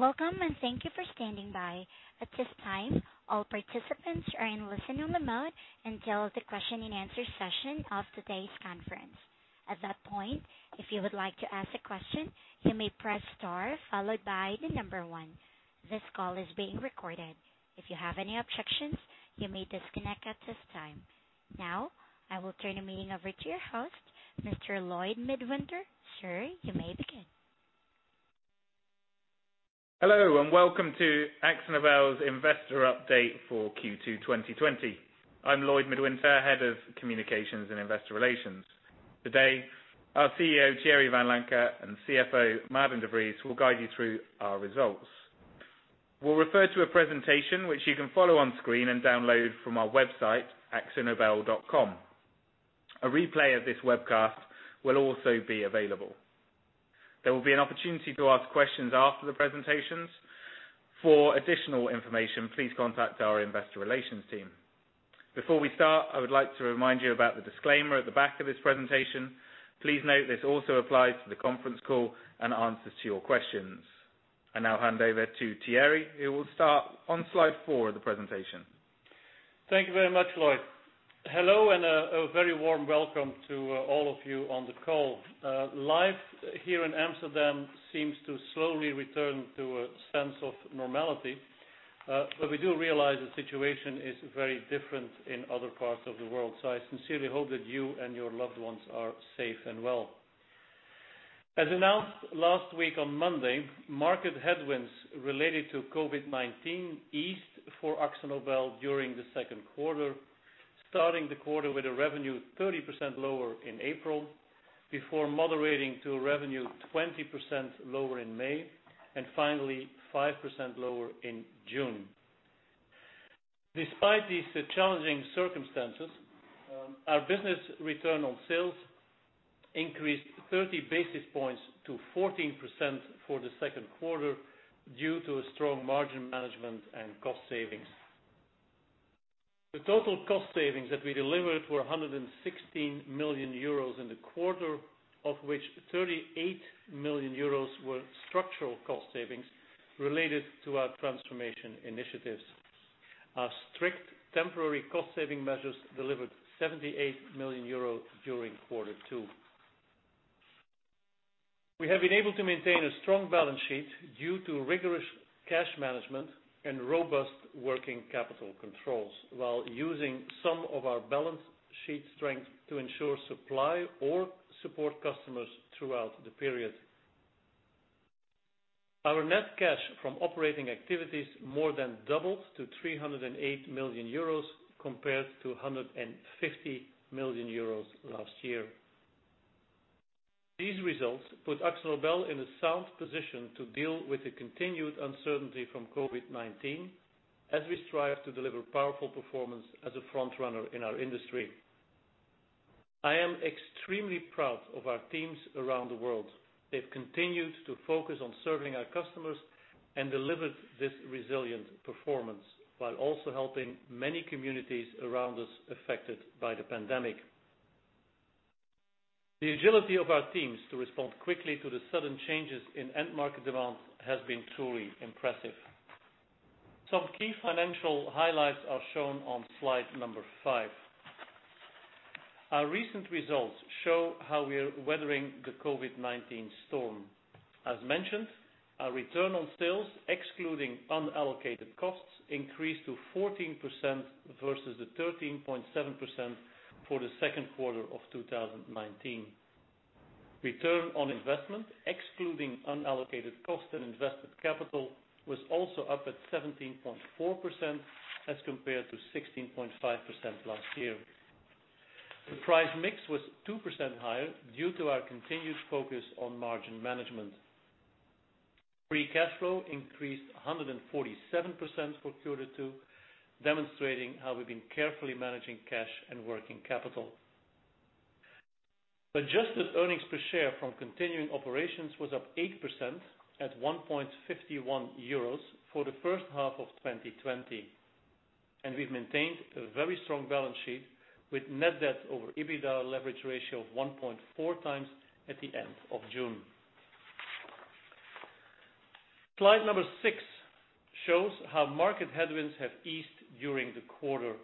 Welcome. Thank you for standing by. At this time, all participants are in listen-only mode until the question and answer session of today's conference. At that point, if you would like to ask a question, you may press star followed by the number one. This call is being recorded. If you have any objections, you may disconnect at this time. I will turn the meeting over to your host, Mr. Lloyd Midwinter. Sir, you may begin. Hello, welcome to AkzoNobel's investor update for Q2 2020. I'm Lloyd Midwinter, Head of Communications and Investor Relations. Today, our CEO, Thierry Vanlancker, and CFO, Maarten de Vries, will guide you through our results. We'll refer to a presentation which you can follow on screen and download from our website, akzonobel.com. A replay of this webcast will also be available. There will be an opportunity to ask questions after the presentations. For additional information, please contact our Investor Relations team. Before we start, I would like to remind you about the disclaimer at the back of this presentation. Please note this also applies to the conference call and answers to your questions. I now hand over to Thierry, who will start on slide four of the presentation. Thank you very much, Lloyd. Hello, and a very warm welcome to all of you on the call. Life here in Amsterdam seems to slowly return to a sense of normality, but we do realize the situation is very different in other parts of the world, so I sincerely hope that you and your loved ones are safe and well. As announced last week on Monday, market headwinds related to COVID-19 eased for AkzoNobel during the second quarter, starting the quarter with a revenue 30% lower in April before moderating to a revenue 20% lower in May, and finally, 5% lower in June. Despite these challenging circumstances, our business return on sales increased 30 basis points to 14% for the second quarter due to strong margin management and cost savings. The total cost savings that we delivered were 116 million euros in the quarter, of which 38 million euros were structural cost savings related to our transformation initiatives. Our strict temporary cost-saving measures delivered 78 million euro during quarter two. We have been able to maintain a strong balance sheet due to rigorous cash management and robust working capital controls while using some of our balance sheet strength to ensure supply or support customers throughout the period. Our net cash from operating activities more than doubled to 308 million euros compared to 152 million euros last year. These results put AkzoNobel in a sound position to deal with the continued uncertainty from COVID-19 as we strive to deliver powerful performance as a frontrunner in our industry. I am extremely proud of our teams around the world. They've continued to focus on serving our customers and delivered this resilient performance while also helping many communities around us affected by the pandemic. The agility of our teams to respond quickly to the sudden changes in end market demand has been truly impressive. Some key financial highlights are shown on slide number five. Our recent results show how we're weathering the COVID-19 storm. As mentioned, our return on sales, excluding unallocated costs, increased to 14% versus the 13.7% for the second quarter of 2019. Return on investment, excluding unallocated cost and invested capital, was also up at 17.4% as compared to 16.5% last year. The price mix was 2% higher due to our continued focus on margin management. Free cash flow increased 147% for quarter two, demonstrating how we've been carefully managing cash and working capital. Adjusted earnings per share from continuing operations was up 8% at €1.51 for the first half of 2020. We've maintained a very strong balance sheet with net debt over EBITDA leverage ratio of 1.4 times at the end of June. Slide number six shows how market headwinds have eased during the quarter.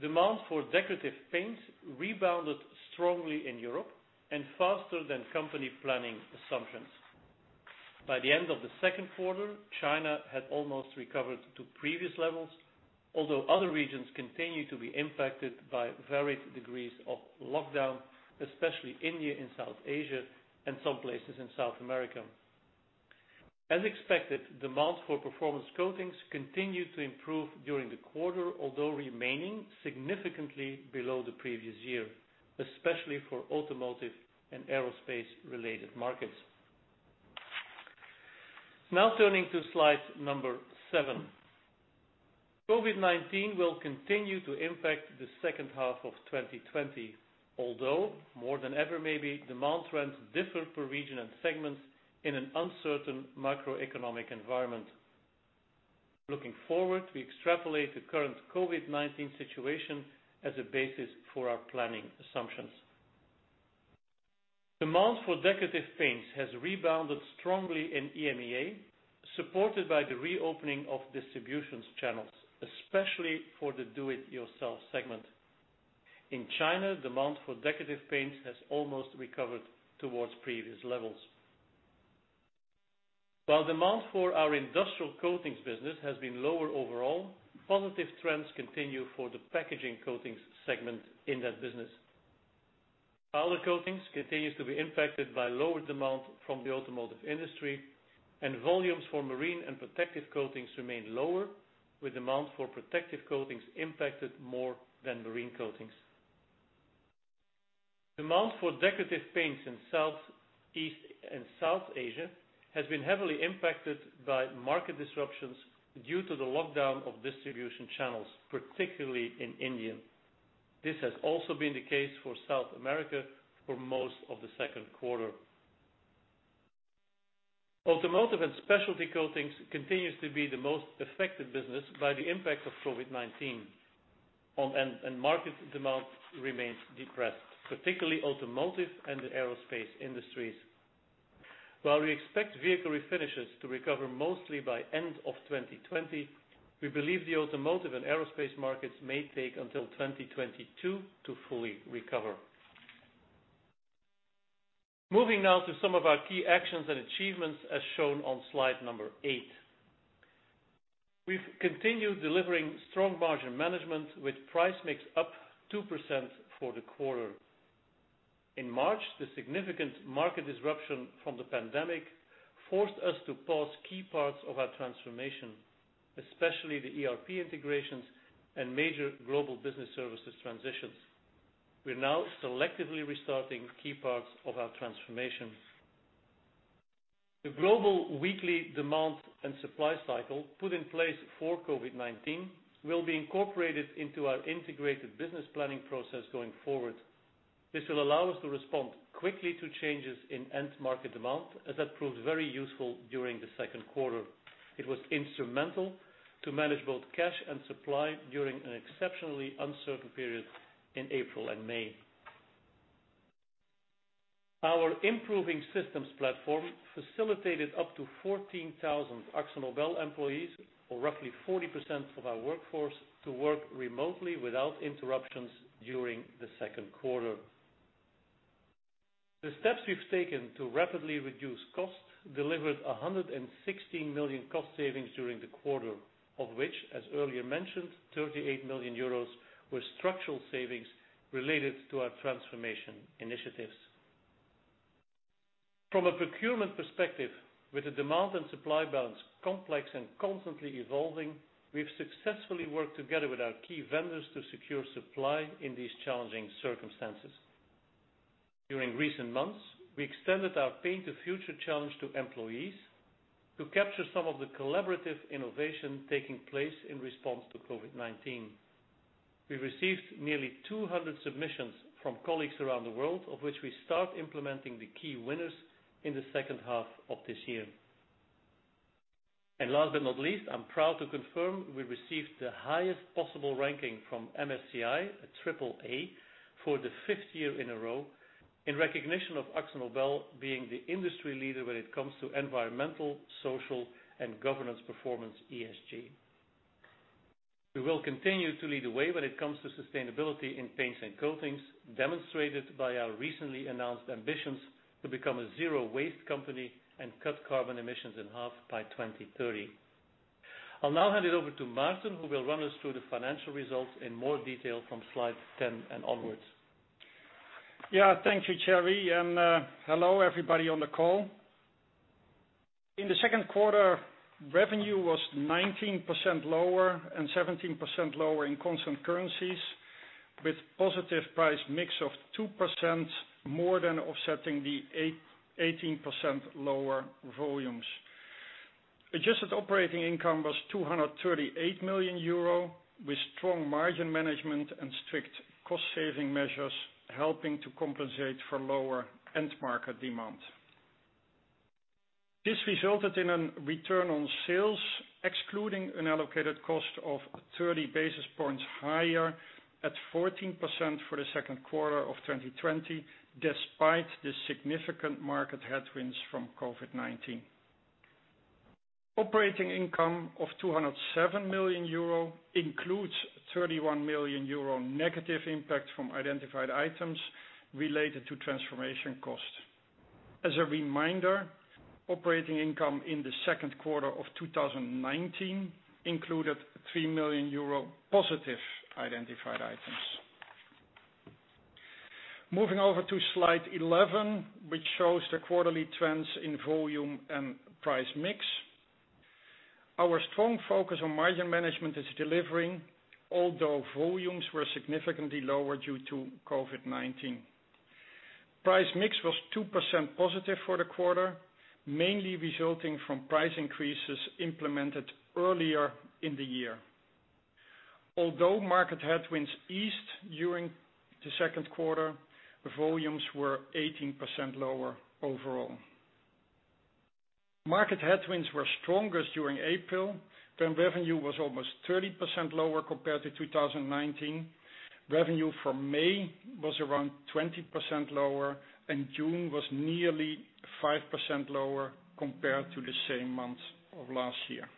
Demand for Decorative Paints rebounded strongly in Europe and faster than company planning assumptions. By the end of the second quarter, China had almost recovered to previous levels, although other regions continued to be impacted by varied degrees of lockdown, especially India and South Asia and some places in South America. As expected, demand for Performance Coatings continued to improve during the quarter, although remaining significantly below the previous year, especially for automotive and aerospace related markets. Turning to slide number seven. COVID-19 will continue to impact the second half of 2020, although more than ever maybe, demand trends differ per region and segments in an uncertain macroeconomic environment. Looking forward, we extrapolate the current COVID-19 situation as a basis for our planning assumptions. Demand for Decorative Paints has rebounded strongly in EMEA, supported by the reopening of distribution channels, especially for the do-it-yourself segment. In China, demand for Decorative Paints has almost recovered towards previous levels. While demand for our Industrial Coatings business has been lower overall, positive trends continue for the Packaging Coatings segment in that business. Powder Coatings continues to be impacted by lower demand from the automotive industry, and volumes for Marine and Protective Coatings remain lower, with demand for protective coatings impacted more than marine coatings. Demand for Decorative Paints in Southeast and South Asia has been heavily impacted by market disruptions due to the lockdown of distribution channels, particularly in India. This has also been the case for South America for most of the second quarter. Automotive and Specialty Coatings continues to be the most affected business by the impact of COVID-19. Market demand remains depressed, particularly automotive and the aerospace industries. While we expect Vehicle Refinishes to recover mostly by end of 2020, we believe the automotive and aerospace markets may take until 2022 to fully recover. Moving now to some of our key actions and achievements as shown on slide number eight. We've continued delivering strong margin management with price mix up 2% for the quarter. In March, the significant market disruption from the pandemic forced us to pause key parts of our transformation, especially the ERP integrations and major global business services transitions. We're now selectively restarting key parts of our transformation. The global weekly demand and supply cycle put in place for COVID-19 will be incorporated into our integrated business planning process going forward. This will allow us to respond quickly to changes in end market demand, as that proved very useful during the second quarter. It was instrumental to manage both cash and supply during an exceptionally uncertain period in April and May. Our improving systems platform facilitated up to 14,000 AkzoNobel employees, or roughly 40% of our workforce, to work remotely without interruptions during the second quarter. The steps we've taken to rapidly reduce costs delivered 116 million cost savings during the quarter, of which, as earlier mentioned, €38 million were structural savings related to our transformation initiatives. From a procurement perspective, with the demand and supply balance complex and constantly evolving, we've successfully worked together with our key vendors to secure supply in these challenging circumstances. During recent months, we extended our Paint the Future challenge to employees to capture some of the collaborative innovation taking place in response to COVID-19. We received nearly 200 submissions from colleagues around the world, of which we start implementing the key winners in the second half of this year. Last but not least, I'm proud to confirm we received the highest possible ranking from MSCI, a triple A, for the fifth year in a row in recognition of AkzoNobel being the industry leader when it comes to environmental, social, and governance performance, ESG. We will continue to lead the way when it comes to sustainability in paints and coatings, demonstrated by our recently announced ambitions to become a zero waste company and cut carbon emissions in half by 2030. I'll now hand it over to Maarten, who will run us through the financial results in more detail from slide 10 and onwards. Yeah, thank you, Thierry. Hello, everybody on the call. In the second quarter, revenue was 19% lower and 17% lower in constant currencies with positive price mix of 2% more than offsetting the 18% lower volumes. Adjusted operating income was 238 million euro with strong margin management and strict cost saving measures, helping to compensate for lower end market demand. This resulted in a return on sales excluding unallocated cost of 30 basis points higher at 14% for the second quarter of 2020, despite the significant market headwinds from COVID-19. Operating income of 207 million euro includes 31 million euro negative impact from identified items related to transformation costs. As a reminder, operating income in the second quarter of 2019 included 3 million euro positive identified items. Moving over to slide 11, which shows the quarterly trends in volume and price mix. Our strong focus on margin management is delivering, although volumes were significantly lower due to COVID-19. Price mix was 2% positive for the quarter, mainly resulting from price increases implemented earlier in the year. Although market headwinds eased during the second quarter, volumes were 18% lower overall. Market headwinds were strongest during April, when revenue was almost 30% lower compared to 2019. Revenue for May was around 20% lower, and June was nearly 5% lower compared to the same month of last year.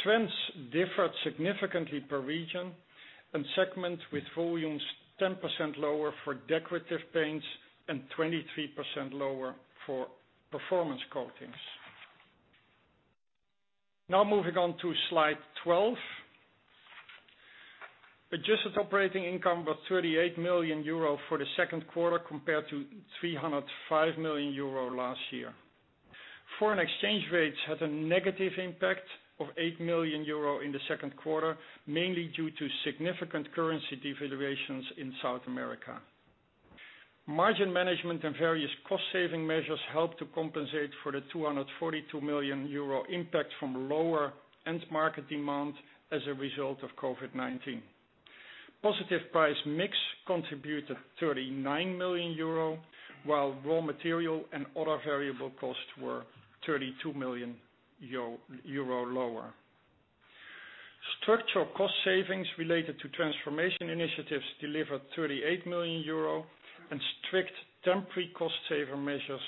Trends differed significantly per region and segment, with volumes 10% lower for Decorative Paints and 23% lower for Performance Coatings. Now, moving on to slide 12. Adjusted operating income was 38 million euro for the second quarter, compared to 305 million euro last year. Foreign exchange rates had a negative impact of 8 million euro in the second quarter, mainly due to significant currency devaluations in South America. Margin management and various cost-saving measures helped to compensate for the 242 million euro impact from lower end market demand as a result of COVID-19. Positive price mix contributed 39 million euro, while raw material and other variable costs were 32 million euro lower. Structural cost savings related to transformation initiatives delivered 38 million euro, and strict temporary cost-saving measures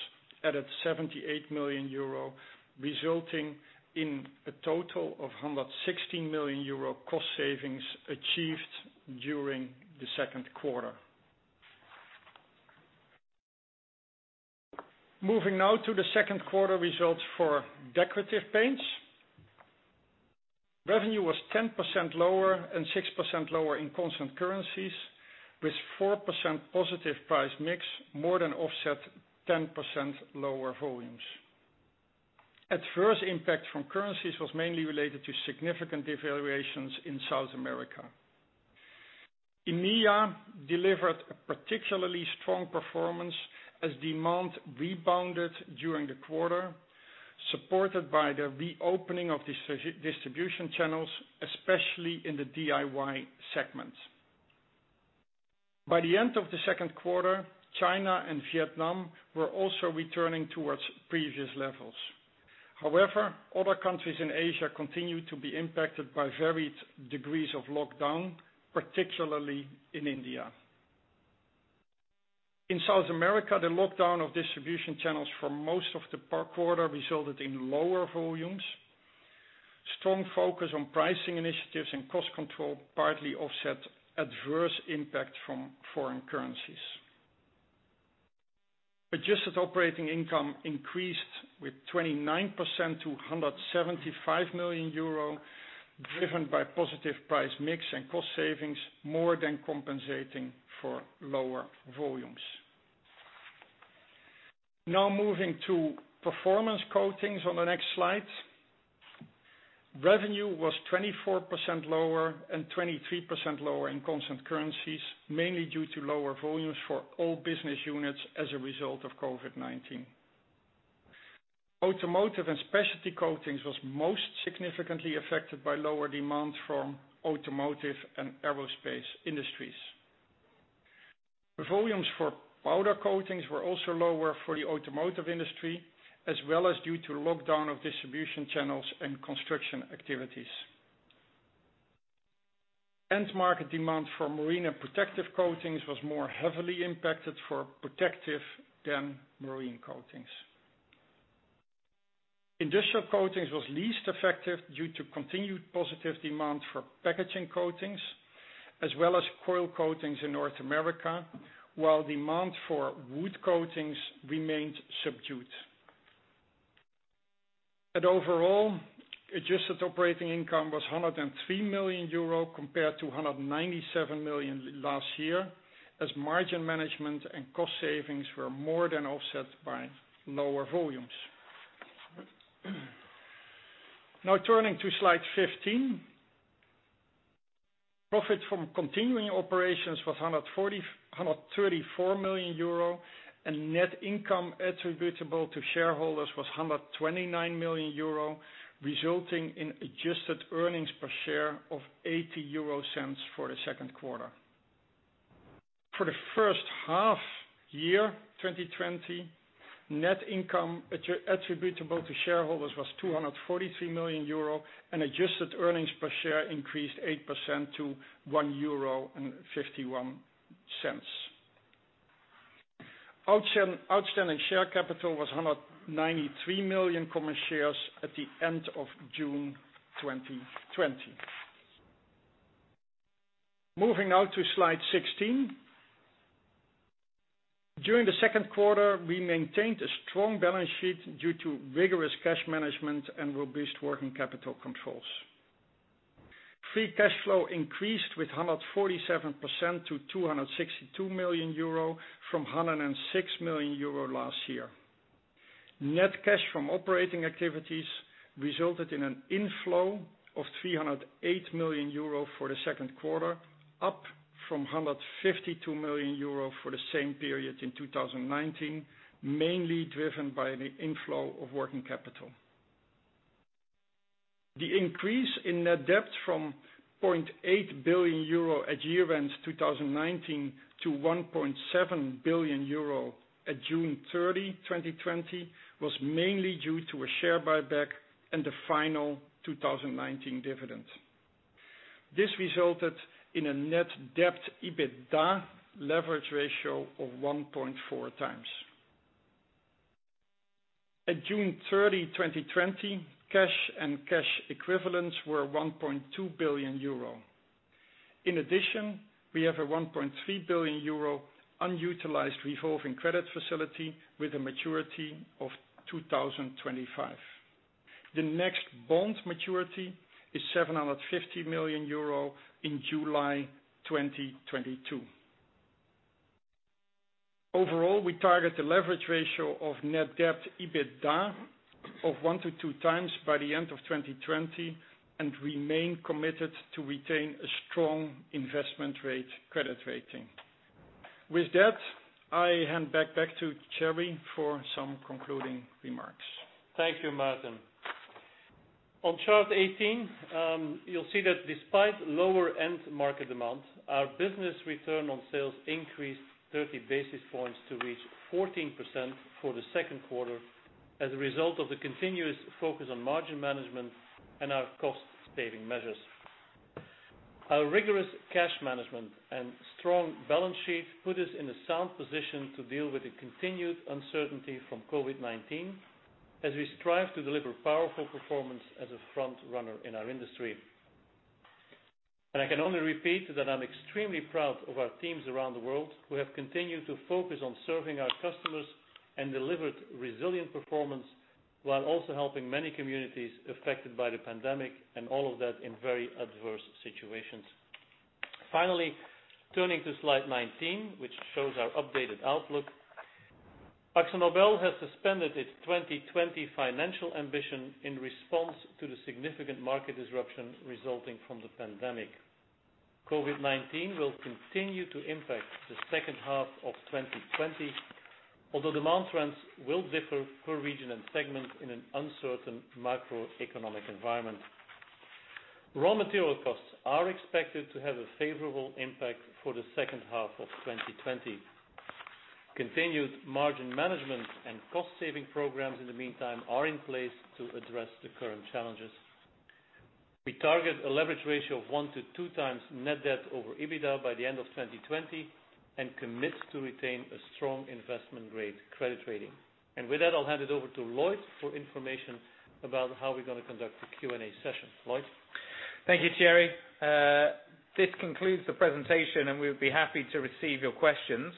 added 78 million euro, resulting in a total of 116 million euro cost savings achieved during the second quarter. Moving now to the second quarter results for Decorative Paints. Revenue was 10% lower and 6% lower in constant currencies, with 4% positive price mix more than offset 10% lower volumes. Adverse impact from currencies was mainly related to significant devaluations in South America. EMEA delivered a particularly strong performance as demand rebounded during the quarter, supported by the reopening of distribution channels, especially in the DIY segment. By the end of the second quarter, China and Vietnam were also returning towards previous levels. However, other countries in Asia continued to be impacted by varied degrees of lockdown, particularly in India. In South America, the lockdown of distribution channels for most of the quarter resulted in lower volumes. Strong focus on pricing initiatives and cost control partly offset adverse impact from foreign currencies. Adjusted operating income increased with 29% to €175 million, driven by positive price mix and cost savings, more than compensating for lower volumes. Now moving to Performance Coatings on the next slide. Revenue was 24% lower and 23% lower in constant currencies, mainly due to lower volumes for all business units as a result of COVID-19. Automotive and Specialty Coatings was most significantly affected by lower demand from automotive and aerospace industries. Volumes for Powder Coatings were also lower for the automotive industry, as well as due to lockdown of distribution channels and construction activities. End market demand for Marine and Protective Coatings was more heavily impacted for Protective than Marine Coatings. Industrial Coatings was least affected due to continued positive demand for Packaging Coatings, as well as Coil Coatings in North America, while demand for Wood Coatings remained subdued. Overall, adjusted operating income was 103 million euro compared to 197 million last year, as margin management and cost savings were more than offset by lower volumes. Turning to slide 15. Profit from continuing operations was 134 million euro, and net income attributable to shareholders was 129 million euro, resulting in adjusted earnings per share of 0.80 for the second quarter. For the first half year 2020, net income attributable to shareholders was 243 million euro, and adjusted earnings per share increased 8% to 1.51 euro. Outstanding share capital was 193 million common shares at the end of June 2020. Moving now to slide 16. During the second quarter, we maintained a strong balance sheet due to rigorous cash management and robust working capital controls. Free cash flow increased with 147% to 262 million euro from 106 million euro last year. Net cash from operating activities resulted in an inflow of 308 million euro for the second quarter, up from 152 million euro for the same period in 2019, mainly driven by the inflow of working capital. The increase in net debt from 0.8 billion euro at year-end 2019 to 1.7 billion euro at June 30, 2020, was mainly due to a share buyback and the final 2019 dividend. This resulted in a net debt EBITDA leverage ratio of 1.4 times. At June 30, 2020, cash and cash equivalents were 1.2 billion euro. In addition, we have a 1.3 billion euro unutilized revolving credit facility with a maturity of 2025. The next bond maturity is 750 million euro in July 2022. Overall, we target a leverage ratio of net debt EBITDA of 1 to 2 times by the end of 2020 and remain committed to retain a strong investment-grade credit rating. With that, I hand back to Thierry for some concluding remarks. Thank you, Maarten. On chart 18, you'll see that despite lower end market demand, our business return on sales increased 30 basis points to reach 14% for the second quarter as a result of the continuous focus on margin management and our cost-saving measures. Our rigorous cash management and strong balance sheet put us in a sound position to deal with the continued uncertainty from COVID-19, as we strive to deliver powerful performance as a frontrunner in our industry. I can only repeat that I'm extremely proud of our teams around the world, who have continued to focus on serving our customers and delivered resilient performance while also helping many communities affected by the pandemic, and all of that in very adverse situations. Finally, turning to slide 19, which shows our updated outlook. AkzoNobel has suspended its 2020 financial ambition in response to the significant market disruption resulting from the pandemic. COVID-19 will continue to impact the second half of 2020, although demand trends will differ per region and segment in an uncertain macroeconomic environment. Raw material costs are expected to have a favorable impact for the second half of 2020. Continued margin management and cost-saving programs in the meantime are in place to address the current challenges. We target a leverage ratio of one to two times net debt over EBITDA by the end of 2020 and commit to retain a strong investment-grade credit rating. With that, I'll hand it over to Lloyd for information about how we're going to conduct the Q&A session. Lloyd? Thank you, Thierry. This concludes the presentation, and we would be happy to receive your questions.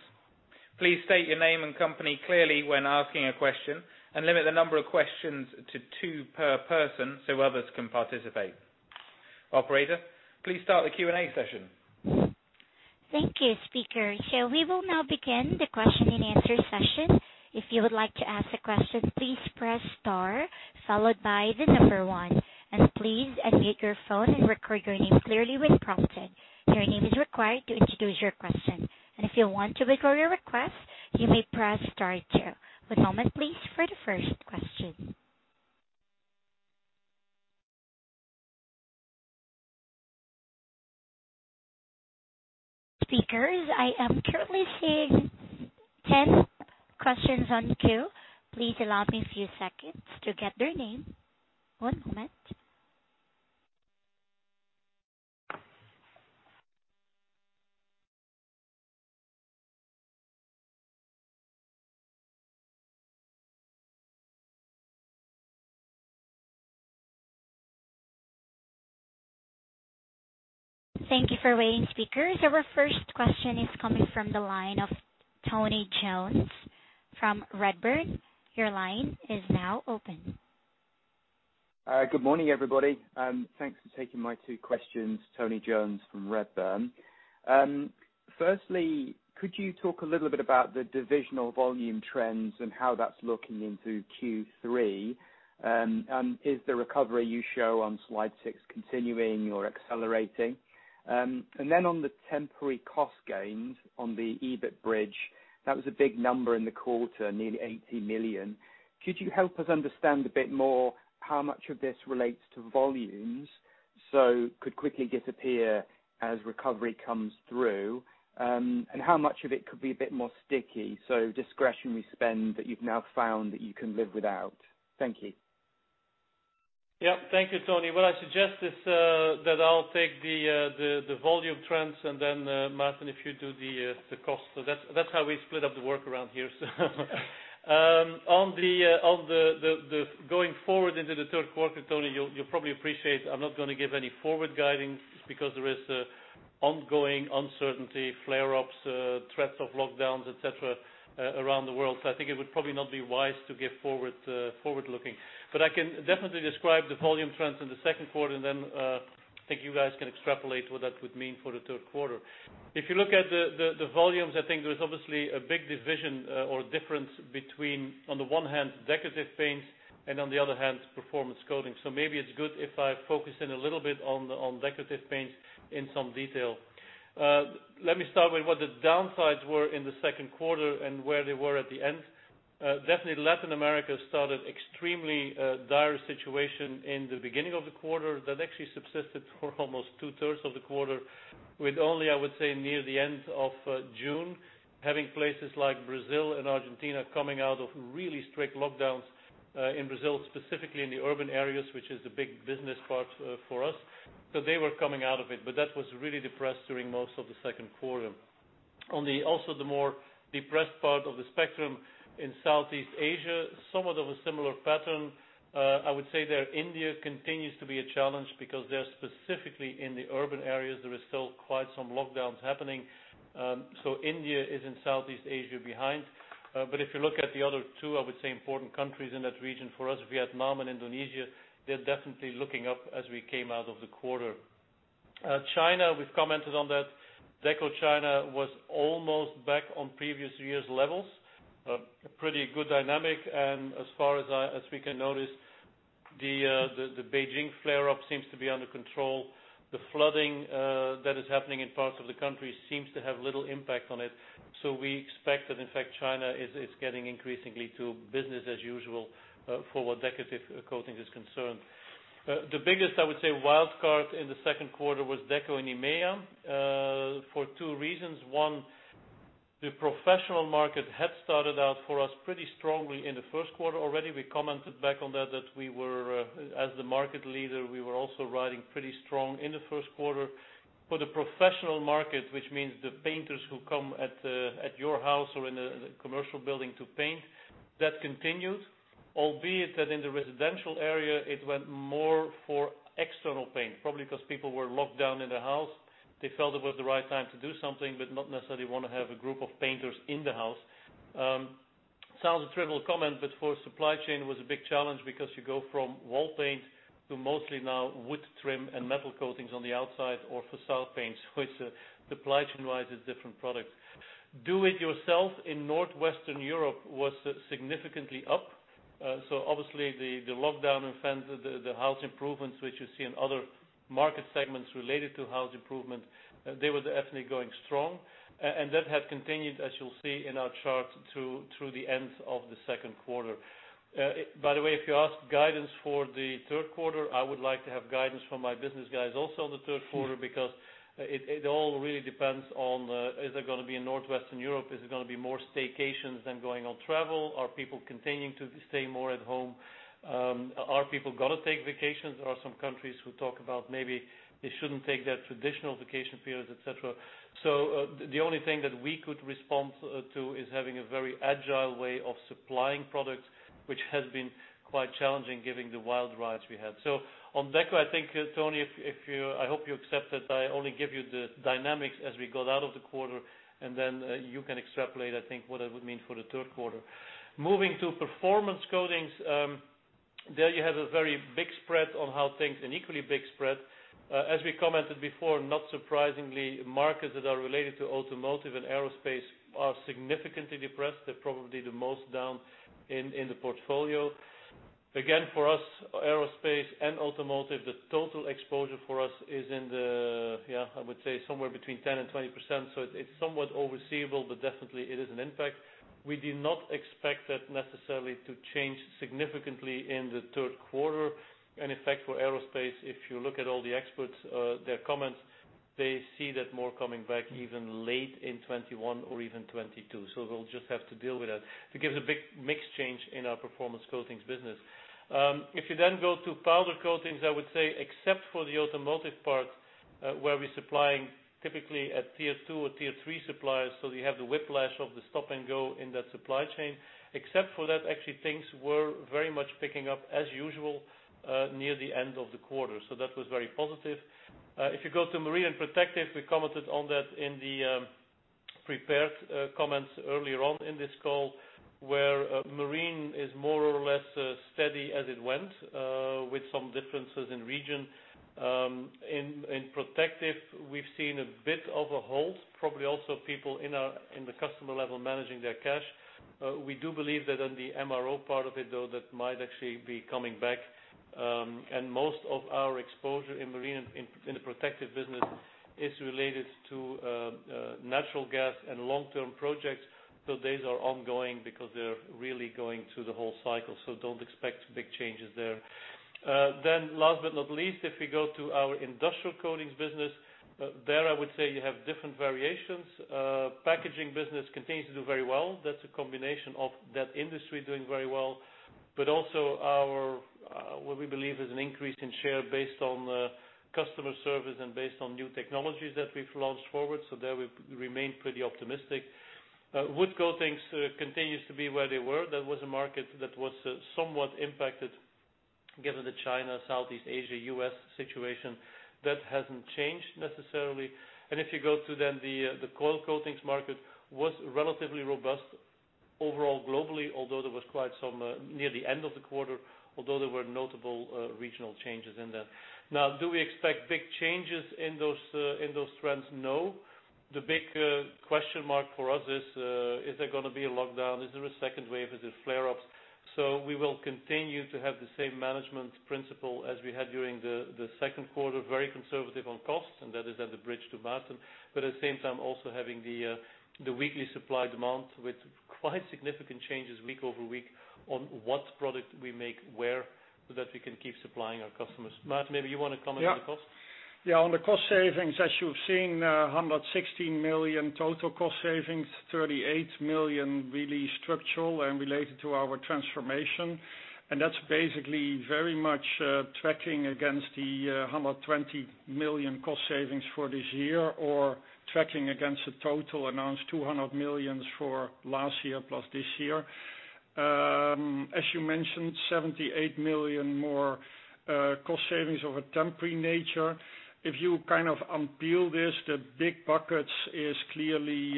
Please state your name and company clearly when asking a question and limit the number of questions to two per person so others can participate. Operator, please start the Q&A session. Thank you, speaker. We will now begin the question and answer session. If you would like to ask a question, please press star followed by the number one, and please unmute your phone and record your name clearly when prompted. Your name is required to introduce your question. If you want to withdraw your request, you may press star two. One moment please for the first question. Speakers, I am currently seeing 10 questions on queue. Please allow me a few seconds to get their name. One moment. Thank you for waiting, speakers. Our first question is coming from the line of Tony Jones from Redburn. Your line is now open. Good morning, everybody. Thanks for taking my two questions. Tony Jones from Redburn. Could you talk a little bit about the divisional volume trends and how that's looking into Q3? Is the recovery you show on slide six continuing or accelerating? On the temporary cost gains on the EBIT bridge, that was a big number in the quarter, nearly 80 million. Could you help us understand a bit more how much of this relates to volumes, so could quickly disappear as recovery comes through? How much of it could be a bit more sticky, so discretionary spend that you've now found that you can live without? Thank you. Thank you, Tony. What I suggest is that I'll take the volume trends, then, Maarten, if you do the cost. That's how we split up the work around here. Going forward into the third quarter, Tony, you'll probably appreciate I'm not going to give any forward guidance because there is ongoing uncertainty, flare-ups, threats of lockdowns, et cetera, around the world. I think it would probably not be wise to give forward-looking. I can definitely describe the volume trends in the second quarter then I think you guys can extrapolate what that would mean for the third quarter. If you look at the volumes, I think there is obviously a big division or difference between, on the one hand, Decorative Paints and on the other hand, Performance Coatings. Maybe it's good if I focus in a little bit on Decorative Paints in some detail. Let me start with what the downsides were in the second quarter and where they were at the end. Definitely, Latin America started extremely dire situation in the beginning of the quarter that actually subsisted for almost two-thirds of the quarter, with only, I would say, near the end of June, having places like Brazil and Argentina coming out of really strict lockdowns, in Brazil, specifically in the urban areas, which is a big business part for us. They were coming out of it. That was really depressed during most of the second quarter. On also the more depressed part of the spectrum in Southeast Asia, somewhat of a similar pattern. I would say there, India continues to be a challenge because there, specifically in the urban areas, there is still quite some lockdowns happening. India is in Southeast Asia behind. If you look at the other two, I would say, important countries in that region for us, Vietnam and Indonesia, they're definitely looking up as we came out of the quarter. China, we've commented on that. Deco China was almost back on previous year's levels. A pretty good dynamic, and as far as we can notice, the Beijing flare-up seems to be under control. The flooding that is happening in parts of the country seems to have little impact on it. We expect that, in fact, China is getting increasingly to business as usual for what decorative coatings is concerned. The biggest, I would say, wild card in the second quarter was Deco in EMEA, for two reasons. One, the professional market had started out for us pretty strongly in the first quarter already. We commented back on that as the market leader, we were also riding pretty strong in the first quarter. For the professional market, which means the painters who come at your house or in a commercial building to paint, that continued, albeit that in the residential area, it went more for external paint, probably because people were locked down in the house. They felt it was the right time to do something, but not necessarily want to have a group of painters in the house. Sounds a trivial comment, but for supply chain, it was a big challenge because you go from wall paint to mostly now wood trim and metal coatings on the outside or facade paint, supply chain-wise is different products. Do it yourself in Northwestern Europe was significantly up. Obviously the lockdown and DIY, the house improvements, which you see in other market segments related to house improvement, they were definitely going strong. That has continued, as you'll see in our chart, through the end of the second quarter. By the way, if you ask guidance for the third quarter, I would like to have guidance from my business guys also on the third quarter, because it all really depends on, is it going to be in Northwestern Europe? Is it going to be more staycations than going on travel? Are people continuing to stay more at home? Are people going to take vacations? There are some countries who talk about maybe they shouldn't take their traditional vacation periods, et cetera. The only thing that we could respond to is having a very agile way of supplying products, which has been quite challenging given the wild rides we had. On Deco, I think, Tony, I hope you accept that I only give you the dynamics as we got out of the quarter, and then you can extrapolate, I think, what that would mean for the third quarter. Moving to Performance Coatings. There you have a very big spread, an equally big spread. As we commented before, not surprisingly, markets that are related to automotive and aerospace are significantly depressed. They're probably the most down in the portfolio. Again, for us, aerospace and automotive, the total exposure for us is in the, I would say, somewhere between 10% and 20%. It's somewhat overseeable, but definitely it is an impact. We do not expect that necessarily to change significantly in the third quarter. In fact, for aerospace, if you look at all the experts, their comments, they see that more coming back even late in 2021 or even 2022. We'll just have to deal with that. It gives a big mix change in our Performance Coatings business. You then go to Powder Coatings, I would say except for the automotive part, where we're supplying typically at tier 2 or tier 3 suppliers, so you have the whiplash of the stop-and-go in that supply chain. Except for that, actually, things were very much picking up as usual, near the end of the quarter. That was very positive. If you go to Marine and Protective, we commented on that in the prepared comments earlier on in this call, where Marine is more or less steady as it went, with some differences in region. In Protective, we've seen a bit of a halt, probably also people in the customer level managing their cash. We do believe that on the MRO part of it, though, that might actually be coming back. Most of our exposure in Marine and in the Protective business is related to natural gas and long-term projects. Those are ongoing because they're really going through the whole cycle. Don't expect big changes there. Last but not least, if we go to our Industrial Coatings business, there, I would say you have different variations. Packaging business continues to do very well. That's a combination of that industry doing very well, but also what we believe is an increase in share based on customer service and based on new technologies that we've launched forward. There we remain pretty optimistic. Wood Coatings continues to be where they were. That was a market that was somewhat impacted given the China, Southeast Asia, U.S. situation. That hasn't changed necessarily. If you go to the Coil Coatings market, was relatively robust overall globally, although there was quite some near the end of the quarter, although there were notable regional changes in there. Do we expect big changes in those trends? No. The big question mark for us is: Is there going to be a lockdown? Is there a second wave? Is it flare-ups? We will continue to have the same management principle as we had during the second quarter, very conservative on costs, and that is at the bridge to Maarten. At the same time, also having the weekly supply demand with quite significant changes week-over-week on what product we make where, so that we can keep supplying our customers. Maarten, maybe you want to comment on the cost? On the cost savings, as you've seen, 116 million total cost savings, 38 million really structural and related to our transformation. That's basically very much tracking against the 120 million cost savings for this year, or tracking against the total announced 200 million for last year plus this year. As you mentioned, 78 million more cost savings of a temporary nature. If you unpeel this, the big buckets is clearly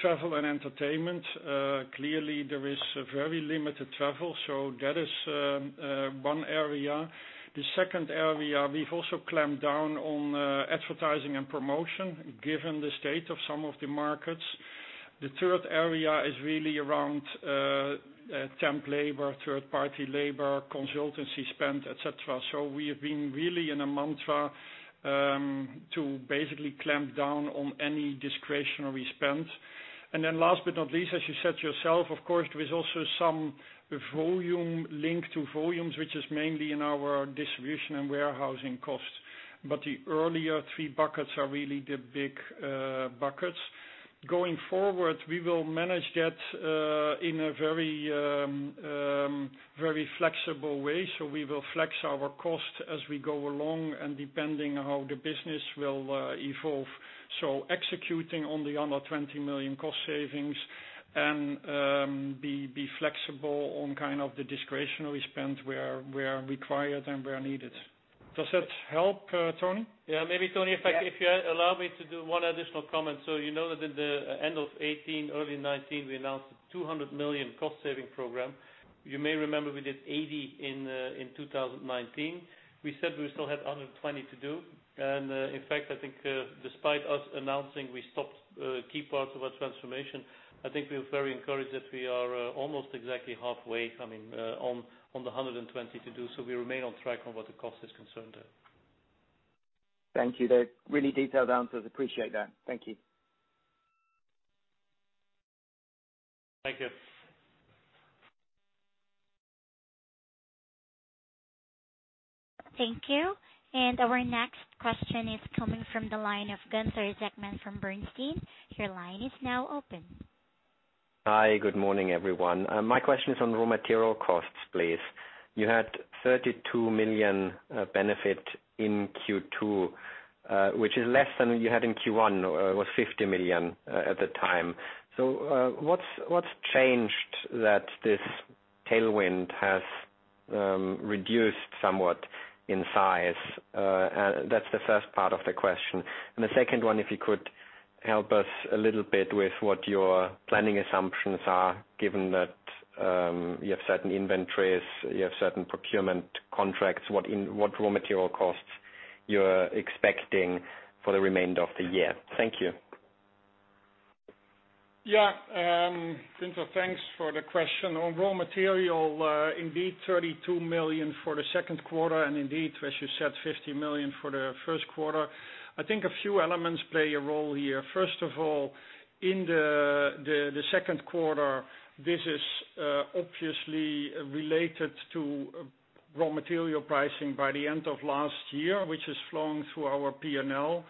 travel and entertainment. Clearly, there is very limited travel, so that is one area. The second area, we've also clamped down on advertising and promotion, given the state of some of the markets. The third area is really around temp labor, third-party labor, consultancy spend, et cetera. We have been really in a mantra to basically clamp down on any discretionary spend. Last but not least, as you said yourself, of course, there is also some volume linked to volumes, which is mainly in our distribution and warehousing costs. The earlier three buckets are really the big buckets. Going forward, we will manage that in a very flexible way. We will flex our cost as we go along and depending how the business will evolve. Executing on the 120 million cost savings and be flexible on the discretionary spend where required and where needed. Does that help, Tony? Maybe, Tony, in fact, if you allow me to do one additional comment. You know that at the end of 2018, early 2019, we announced a 200 million cost saving program. You may remember we did 80 in 2019. We said we still had 120 to do. In fact, I think despite us announcing we stopped key parts of our transformation, I think we are very encouraged that we are almost exactly halfway coming on the 120 to do. We remain on track on what the cost is concerned there. Thank you. They're really detailed answers. Appreciate that. Thank you. Thank you. Thank you. Our next question is coming from the line of Gunther Zechmann from Bernstein. Your line is now open. Hi. Good morning, everyone. My question is on raw material costs, please. You had 32 million benefit in Q2, which is less than you had in Q1, was 50 million at the time. What's changed that this tailwind has reduced somewhat in size? That's the first part of the question. The second one, if you could help us a little bit with what your planning assumptions are given that you have certain inventories, you have certain procurement contracts, what raw material costs you're expecting for the remainder of the year. Thank you. Gunther, thanks for the question. On raw material, indeed, 32 million for the second quarter, and indeed, as you said, 50 million for the first quarter. I think a few elements play a role here. First of all, in the second quarter, this is obviously related to raw material pricing by the end of last year, which is flowing through our P&L.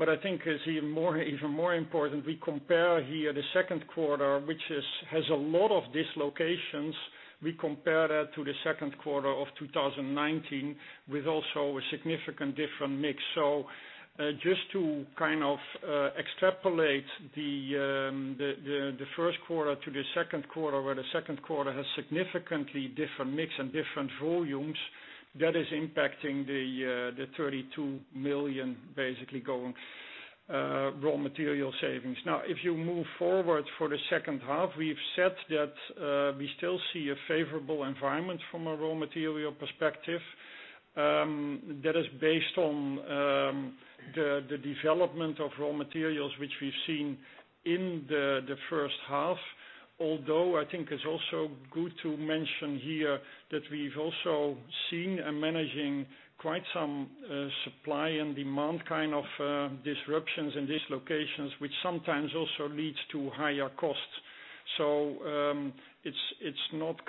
I think it's even more important, we compare here the second quarter, which has a lot of dislocations. We compare that to the second quarter of 2019 with also a significant different mix. Just to extrapolate the first quarter to the second quarter, where the second quarter has significantly different mix and different volumes, that is impacting the 32 million basically going raw material savings. Now, if you move forward for the second half, we've said that we still see a favorable environment from a raw material perspective. That is based on the development of raw materials, which we've seen in the first half. Although I think it's also good to mention here that we've also seen and managing quite some supply and demand disruptions and dislocations, which sometimes also leads to higher costs. It's not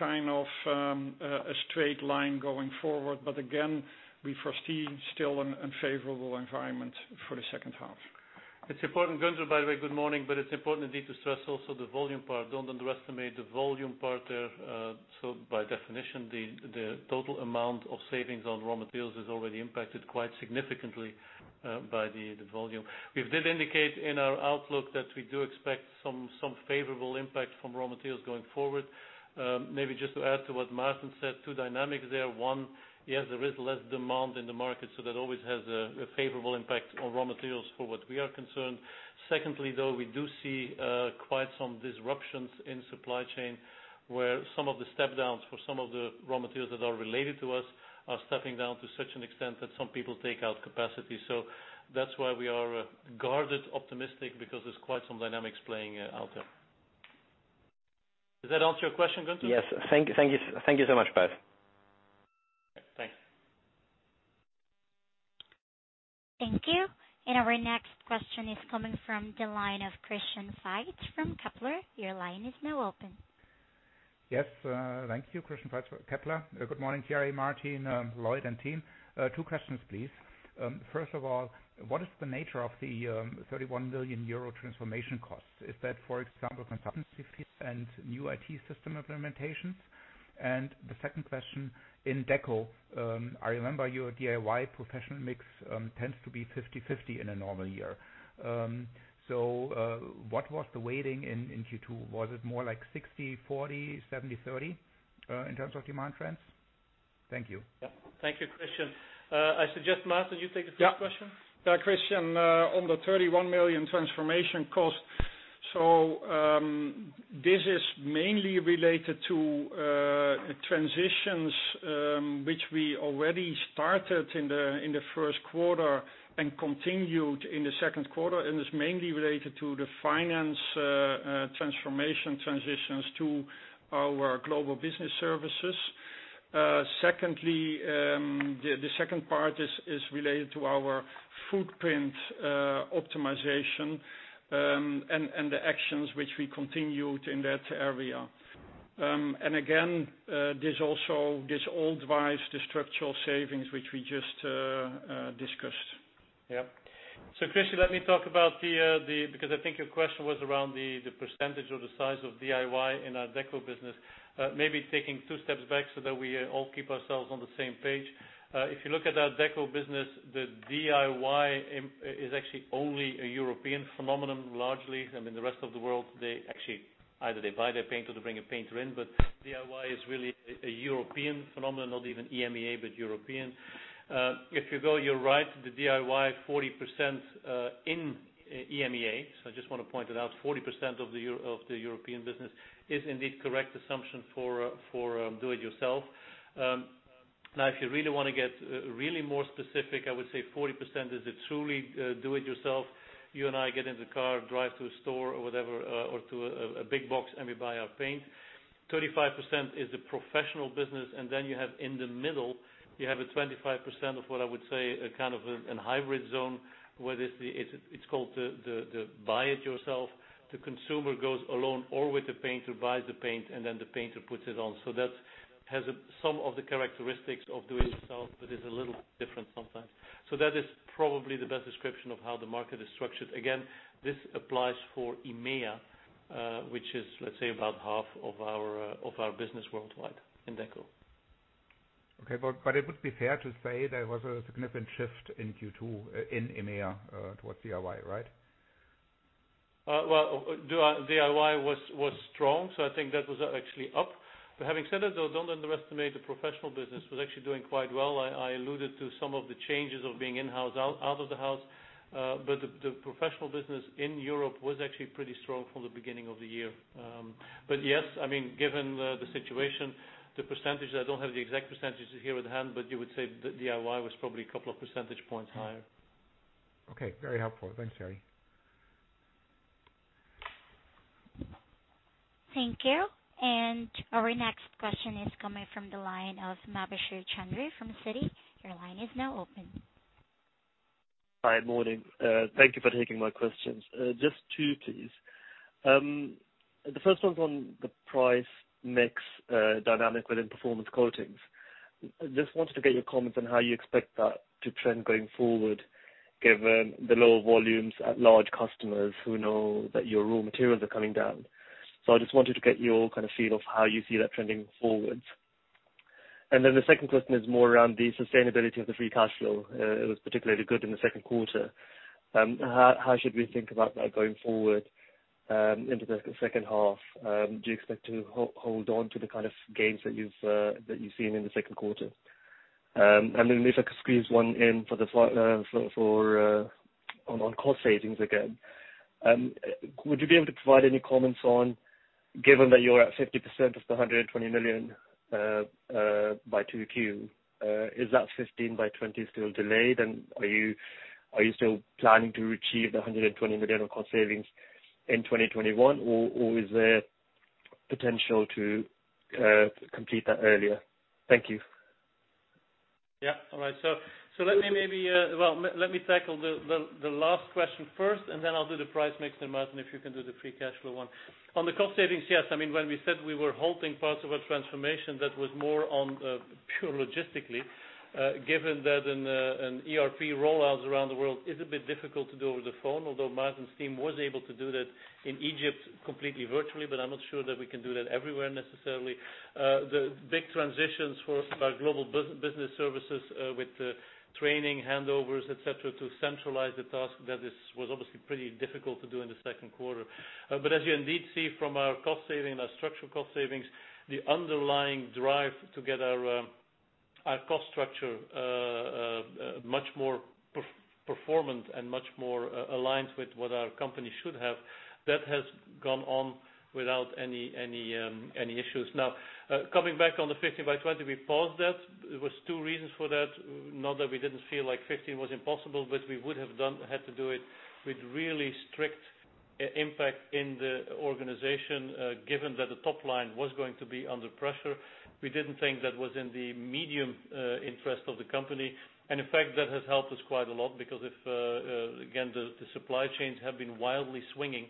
a straight line going forward. Again, we foresee still a favorable environment for the second half. It's important, Gunther, by the way, good morning. It's important indeed to stress also the volume part. Don't underestimate the volume part there. By definition, the total amount of savings on raw materials is already impacted quite significantly by the volume. We did indicate in our outlook that we do expect some favorable impact from raw materials going forward. Maybe just to add to what Maarten said, two dynamics there. One, yes, there is less demand in the market, so that always has a favorable impact on raw materials for what we are concerned. Secondly, though, we do see quite some disruptions in supply chain, where some of the step downs for some of the raw materials that are related to us are stepping down to such an extent that some people take out capacity. That's why we are guarded optimistic, because there's quite some dynamics playing out there. Does that answer your question, Gunther? Yes. Thank you so much, both. Thanks. Thank you. Our next question is coming from the line of Christian Faitz from Kepler. Your line is now open. Yes. Thank you. Christian Faitz from Kepler. Good morning, Thierry, Maarten, Lloyd, and team. Two questions, please. First of all, what is the nature of the 31 million euro transformation cost? Is that, for example, consultancy fees and new IT system implementations? The second question, in Deco, I remember your DIY professional mix tends to be 50/50 in a normal year. What was the weighting in Q2? Was it more like 60/40, 70/30 in terms of demand trends? Thank you. Yeah. Thank you, Christian. I suggest, Maarten, you take the second question. Yeah. Christian, on the 31 million transformation cost. This is mainly related to transitions, which we already started in the first quarter and continued in the second quarter, and is mainly related to the finance transformation transitions to our global business services. Secondly, the second part is related to our footprint optimization, and the actions which we continued in that area. Again, there's also this old vice, the structural savings, which we just discussed. Yeah. Christian, Because I think your question was around the percentage or the size of DIY in our Deco business. Maybe taking two steps back so that we all keep ourselves on the same page. If you look at our Deco business, the DIY is actually only a European phenomenon, largely. I mean, the rest of the world, they actually either they buy their paint or they bring a painter in. DIY is really a European phenomenon. Not even EMEA, but European. If you go, you're right, the DIY 40% in EMEA. I just want to point it out, 40% of the European business is indeed correct assumption for do it yourself. Now, if you really want to get really more specific, I would say 40% is the truly do it yourself. You and I get in the car, drive to a store or whatever, or to a big box, and we buy our paint. 35% is the professional business. You have in the middle, you have a 25% of what I would say, a kind of a hybrid zone, where it's called the buy it yourself. The consumer goes alone or with the painter, buys the paint, and then the painter puts it on. That has some of the characteristics of do it yourself, but is a little different sometimes. That is probably the best description of how the market is structured. Again, this applies for EMEA, which is, let's say, about half of our business worldwide in Deco. Okay. It would be fair to say there was a significant shift in Q2 in EMEA towards DIY, right? Well, DIY was strong, so I think that was actually up. Having said that, though, don't underestimate the professional business, was actually doing quite well. I alluded to some of the changes of being in-house, out of the house. The professional business in Europe was actually pretty strong from the beginning of the year. Yes, given the situation, the %, I don't have the exact % here at hand, but you would say DIY was probably a couple of percentage points higher. Okay. Very helpful. Thanks, Thierry. Thank you. Our next question is coming from the line of Mubasher Chaudhry from Citigroup. Your line is now open. Hi, morning. Thank you for taking my questions. Just two, please. The first one's on the price mix dynamic within Performance Coatings. Just wanted to get your comments on how you expect that to trend going forward, given the lower volumes at large customers who know that your raw materials are coming down. I just wanted to get your kind of feel of how you see that trending forwards. The second question is more around the sustainability of the free cash flow. It was particularly good in the second quarter. How should we think about that going forward into the second half? Do you expect to hold on to the kind of gains that you've seen in the second quarter? If I could squeeze one in on cost savings again. Would you be able to provide any comments on, given that you're at 50% of the 120 million by 2Q, is that 15 by 20 still delayed? Are you still planning to achieve the 120 million of cost savings in 2021, or is there potential to complete that earlier? Thank you. Yeah. All right. Let me tackle the last question first, and then I'll do the price mix, and Maarten, if you can do the free cash flow one. On the cost savings, yes. When we said we were halting parts of our transformation, that was more on pure logistically. Given that an ERP rollouts around the world is a bit difficult to do over the phone, although Maarten's team was able to do that in Egypt completely virtually, but I'm not sure that we can do that everywhere necessarily. The big transitions for our global business services with the training handovers, et cetera, to centralize the task that was obviously pretty difficult to do in the second quarter. As you indeed see from our cost saving and our structural cost savings, the underlying drive to get our cost structure much more performant and much more aligned with what our company should have. That has gone on without any issues. Coming back on the 15 by '20, we paused that. There was two reasons for that. Not that we didn't feel like 15 was impossible, but we would have had to do it with really strict impact in the organization, given that the top line was going to be under pressure, we didn't think that was in the medium interest of the company. In fact, that has helped us quite a lot because, again, the supply chains have been wildly swinging.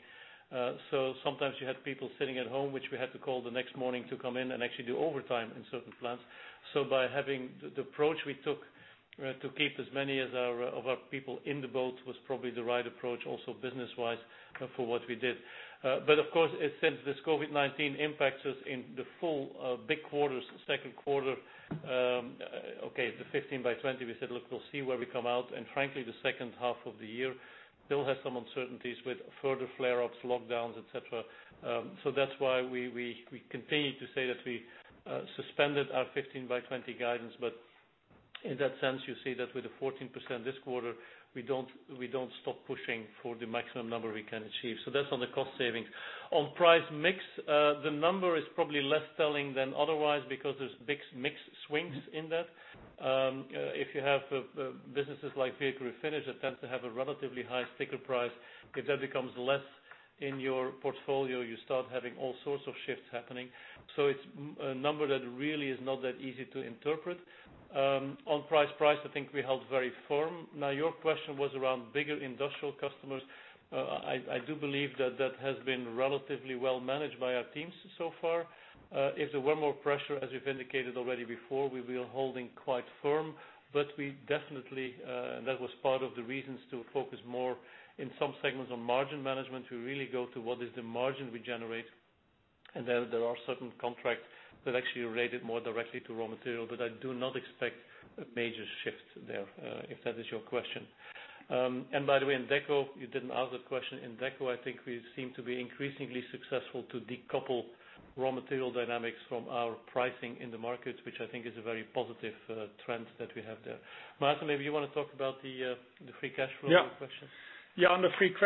Sometimes you had people sitting at home, which we had to call the next morning to come in and actually do overtime in certain plants. By having the approach we took to keep as many of our people in the boat was probably the right approach, also business-wise for what we did. Of course, since this COVID-19 impacts us in the full big quarters, second quarter, okay, the 15 by 20, we said, "Look, we'll see where we come out." Frankly, the second half of the year still has some uncertainties with further flare-ups, lockdowns, et cetera. That's why we continue to say that we suspended our 15 by 20 guidance, but in that sense, you see that with a 14% this quarter, we don't stop pushing for the maximum number we can achieve. On price mix, the number is probably less telling than otherwise because there's big mix swings in that. If you have businesses like Vehicle Refinishes that tend to have a relatively high sticker price, if that becomes less in your portfolio, you start having all sorts of shifts happening. It's a number that really is not that easy to interpret. On price, I think we held very firm. Now your question was around bigger industrial customers. I do believe that that has been relatively well managed by our teams so far. If there were more pressure, as we've indicated already before, we are holding quite firm. We definitely, and that was part of the reasons to focus more in some segments on margin management, to really go to what is the margin we generate, and there are certain contracts that actually relate it more directly to raw material. I do not expect a major shift there, if that is your question. By the way, in Deco, you didn't ask that question. In Deco, I think we seem to be increasingly successful to decouple raw material dynamics from our pricing in the market, which I think is a very positive trend that we have there. Maarten, maybe you want to talk about the free cash flow question. The free cash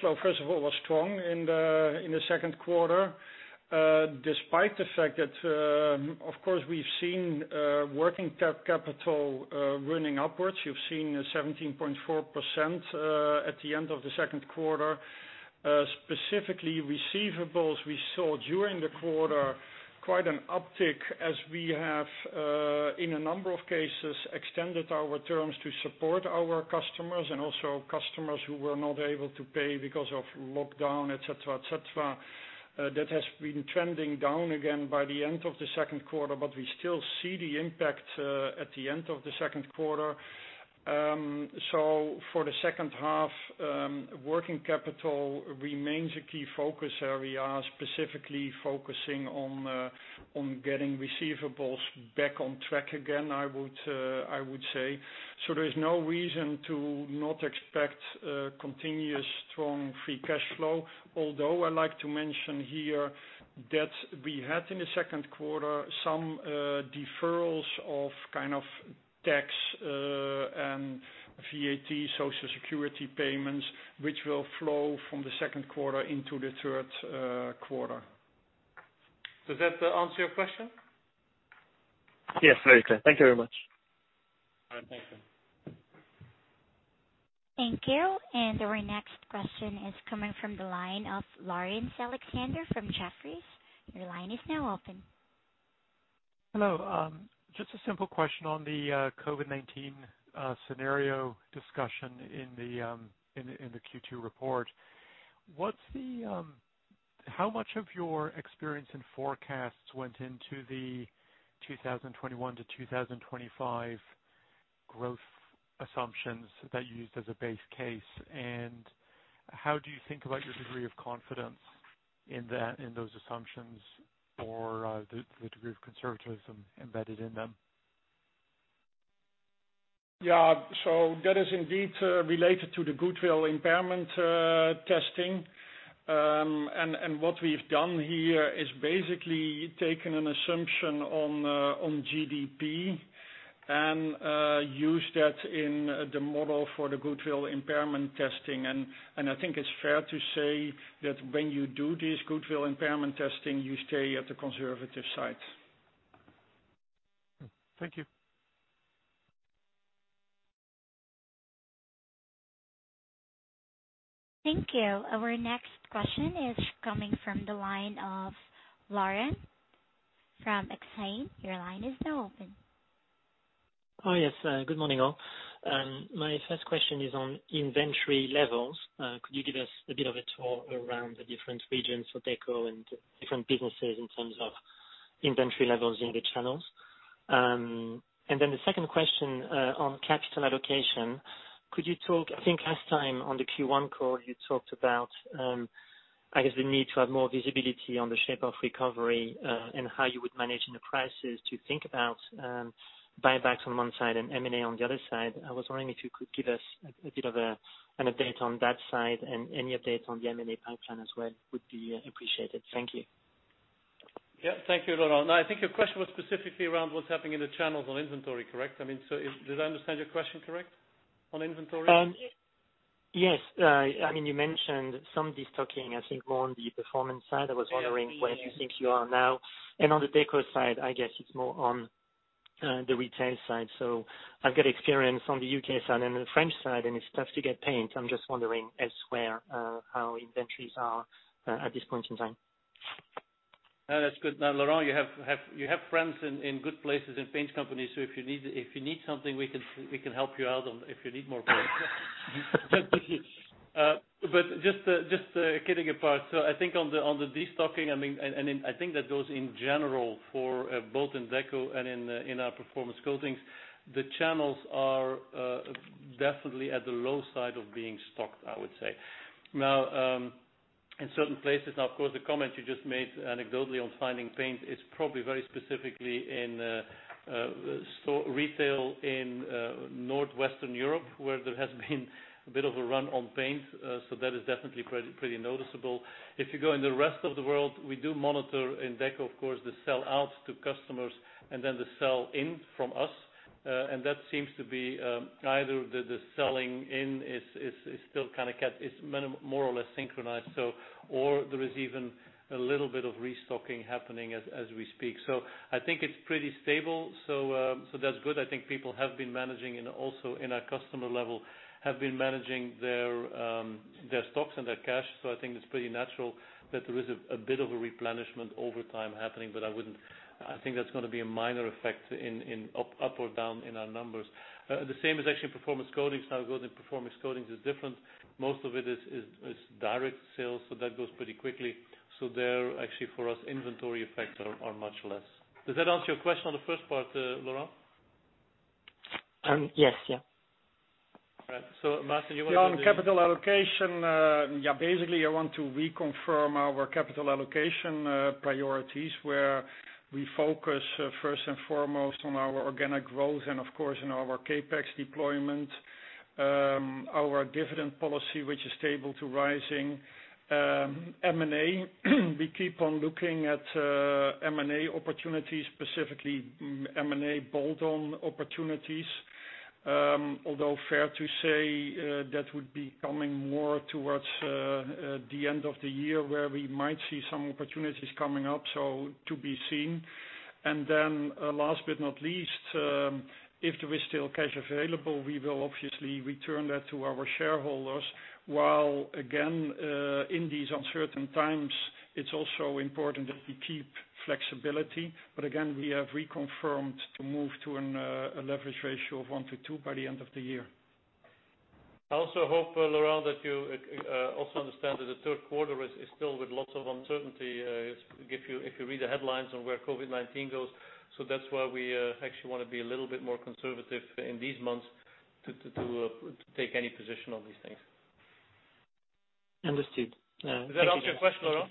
flow, first of all, was strong in the second quarter. Despite the fact that, of course, we've seen working capital running upwards. You've seen 17.4% at the end of the second quarter. Specifically receivables we saw during the quarter quite an uptick as we have, in a number of cases, extended our terms to support our customers and also customers who were not able to pay because of lockdown, et cetera. That has been trending down again by the end of the second quarter, we still see the impact at the end of the second quarter. For the second half, working capital remains a key focus area, specifically focusing on getting receivables back on track again, I would say. There is no reason to not expect continuous strong free cash flow. Although I like to mention here that we had, in the second quarter, some deferrals of tax and VAT, Social Security payments, which will flow from the second quarter into the third quarter. Does that answer your question? Yes, very clear. Thank you very much. All right. Thank you. Thank you. Our next question is coming from the line of Laurence Alexander from Jefferies. Your line is now open. Hello. Just a simple question on the COVID-19 scenario discussion in the Q2 report. How much of your experience and forecasts went into the 2021 to 2025 growth assumptions that you used as a base case? How do you think about your degree of confidence in those assumptions or the degree of conservatism embedded in them? That is indeed related to the goodwill impairment testing. What we've done here is basically taken an assumption on GDP and used that in the model for the goodwill impairment testing. I think it's fair to say that when you do this goodwill impairment testing, you stay at the conservative side. Thank you. Thank you. Our next question is coming from the line of Laurent from Exane. Your line is now open. Oh, yes. Good morning, all. My first question is on inventory levels. Could you give us a bit of a tour around the different regions for Deco and different businesses in terms of inventory levels in the channels? The second question on capital allocation. Could you talk, I think last time on the Q1 call, you talked about, I guess, the need to have more visibility on the shape of recovery and how you would manage the prices to think about buybacks on one side and M&A on the other side. I was wondering if you could give us a bit of an update on that side and any update on the M&A pipeline as well would be appreciated. Thank you. Yeah. Thank you, Laurent. I think your question was specifically around what's happening in the channels on inventory, correct? Did I understand your question correct on inventory? Yes. You mentioned some destocking, I think more on the Performance side. I was wondering where you think you are now. On the Deco side, I guess it's more on the retail side. I've got experience on the U.K. side and on the French side, it's tough to get paint. I'm just wondering elsewhere, how inventories are at this point in time. No, that's good. Laurent, you have friends in good places in paint companies, if you need something, we can help you out if you need more paint. Just kidding apart, I think on the de-stocking, I think that goes in general for both in Deco and in our Performance Coatings, the channels are definitely at the low side of being stocked, I would say. In certain places now, of course, the comment you just made anecdotally on finding paint is probably very specifically in retail in Northwestern Europe, where there has been a bit of a run on paint. That is definitely pretty noticeable. If you go in the rest of the world, we do monitor in Deco, of course, the sell outs to customers and then the sell in from us. That seems to be either the selling in is more or less synchronized. There is even a little bit of restocking happening as we speak. I think it's pretty stable, so that's good. I think people have been managing and also in our customer level, have been managing their stocks and their cash. I think it's pretty natural that there is a bit of a replenishment over time happening. I think that's going to be a minor effect up or down in our numbers. The same is actually Performance Coatings. Now going to Performance Coatings is different. Most of it is direct sales, so that goes pretty quickly. There actually for us, inventory effects are much less. Does that answer your question on the first part, Laurent? Yes. All right. Maarten, you want. Yeah. On capital allocation, basically I want to reconfirm our capital allocation priorities, where we focus first and foremost on our organic growth and of course in our CapEx deployment. Our dividend policy, which is stable to rising. M&A, we keep on looking at M&A opportunities, specifically M&A bolt-on opportunities. Although fair to say, that would be coming more towards the end of the year where we might see some opportunities coming up. So to be seen. Last but not least, if there is still cash available, we will obviously return that to our shareholders, while again, in these uncertain times, it's also important that we keep flexibility. Again, we have reconfirmed to move to a leverage ratio of 1 to 2 by the end of the year. I also hope, Laurent, that you also understand that the third quarter is still with lots of uncertainty, if you read the headlines on where COVID-19 goes. That's why we actually want to be a little bit more conservative in these months to take any position on these things. Understood. Thank you. Does that answer your question, Laurent?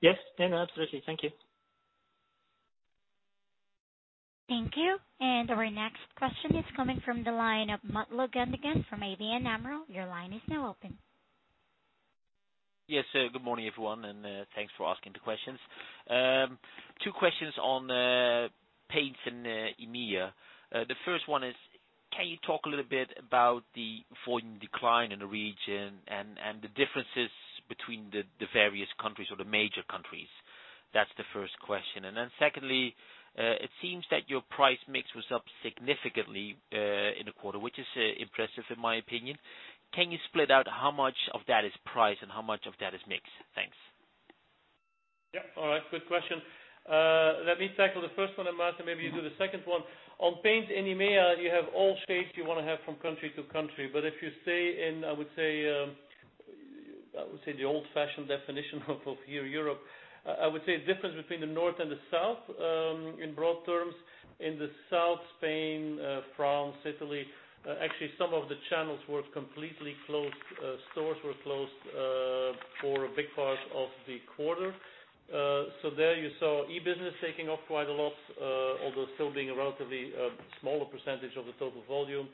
Yes. No, absolutely. Thank you. Thank you. Our next question is coming from the line of Mutlu Gundogan from ABN AMRO. Your line is now open. Good morning, everyone, thanks for asking the questions. Two questions on paints in EMEA. The first one is, can you talk a little bit about the volume decline in the region and the differences between the various countries or the major countries? That's the first question. Secondly, it seems that your price mix was up significantly in the quarter, which is impressive in my opinion. Can you split out how much of that is price and how much of that is mix? Thanks. Yeah. All right. Good question. Let me tackle the first one, and Maarten, maybe you do the second one. On paints in EMEA, you have all shapes you want to have from country to country. If you say in, I would say, the old-fashioned definition of here, Europe, I would say the difference between the north and the south, in broad terms, in the South Spain, France, Italy, actually some of the channels were completely closed. Stores were closed for a big part of the quarter. There you saw e-business taking off quite a lot, although still being a relatively smaller percentage of the total volume.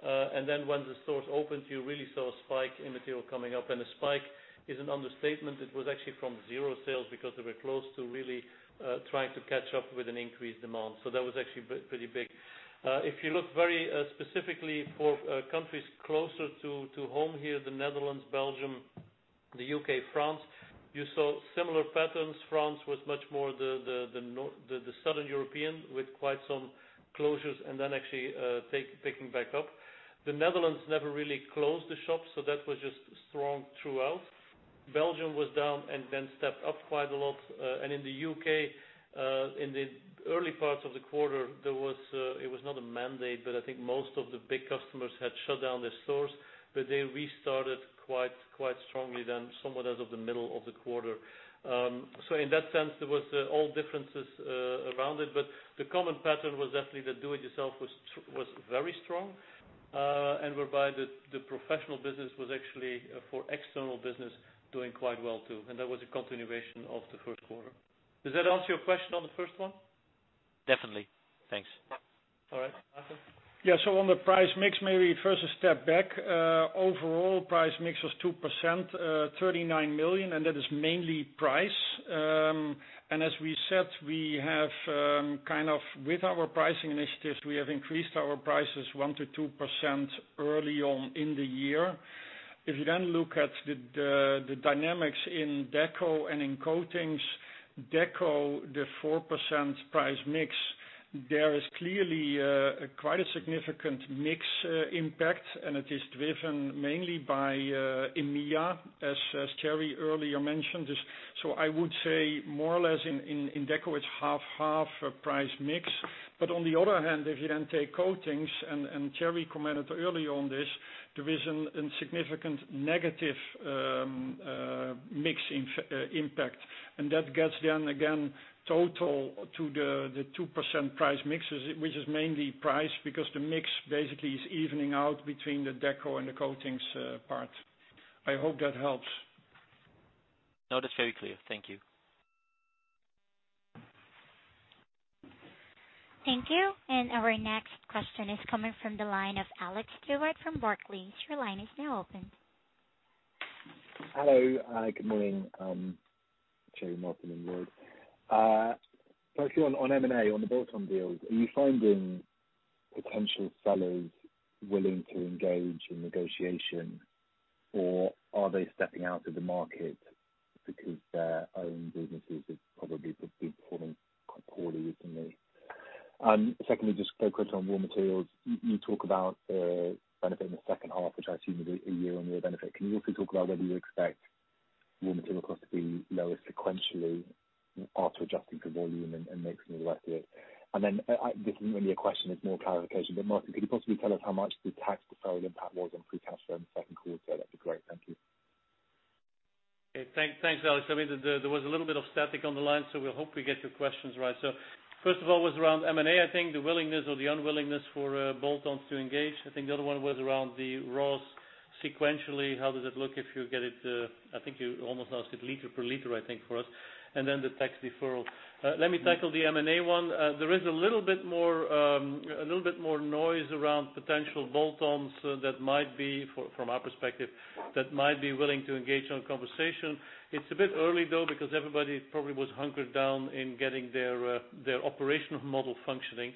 When the stores opened, you really saw a spike in material coming up. A spike is an understatement. It was actually from zero sales because they were closed to really trying to catch up with an increased demand. That was actually pretty big. If you look very specifically for countries closer to home here, the Netherlands, Belgium, the U.K., France, you saw similar patterns. France was much more the Southern European with quite some closures and then actually picking back up. The Netherlands never really closed the shops, that was just strong throughout. Belgium was down and then stepped up quite a lot. In the U.K., in the early parts of the quarter, it was not a mandate, but I think most of the big customers had shut down their stores, they restarted quite strongly then somewhat as of the middle of the quarter. In that sense, there was all differences around it. The common pattern was definitely the do it yourself was very strong. Whereby the professional business was actually for external business doing quite well, too. That was a continuation of the first quarter. Does that answer your question on the first one? Definitely. Thanks. All right. Maarten? Yeah. On the price mix, maybe first a step back. Overall price mix was 2%, 39 million, and that is mainly price. As we said, with our pricing initiatives, we have increased our prices 1%-2% early on in the year. If you then look at the dynamics in Deco and in Coatings, Deco, the 4% price mix, there is clearly quite a significant mix impact, and it is driven mainly by EMEA, as Thierry earlier mentioned. I would say more or less in Deco, it's half-half price mix. On the other hand, if you then take Coatings, and Thierry commented earlier on this, there is a significant negative mix impact. That gets down again total to the 2% price mixes, which is mainly price, because the mix basically is evening out between the Deco and the Coatings part. I hope that helps. No, that's very clear. Thank you. Thank you. Our next question is coming from the line of Alex Stewart from Barclays. Your line is now open. Hello. Good morning, Thierry, Maarten, and Roel. Firstly, on M&A, on the bolt-on deals, are you finding potential sellers willing to engage in negotiation, or are they stepping out of the market because their own businesses have probably been performing quite poorly recently? Secondly, just a quick one on raw materials. You talk about the benefit in the second half, which I assume is a year-on-year benefit. Can you also talk about whether you expect raw material costs to be lower sequentially after adjusting for volume and mix and all the rest of it? Then, this isn't really a question, it's more clarification, but Maarten, could you possibly tell us how much the tax deferred impact was on free cash flow in the second quarter? That'd be great. Thank you. Thanks, Alex. There was a little bit of static on the line, so we hope we get your questions right. First of all was around M&A, I think the willingness or the unwillingness for bolt-ons to engage. I think the other one was around the raw sequentially, how does it look if you get it I think you almost asked it liter per liter, I think, for us. Then the tax deferral. Let me tackle the M&A one. There is a little bit more noise around potential bolt-ons from our perspective, that might be willing to engage on conversation. It's a bit early though, because everybody probably was hunkered down in getting their operational model functioning.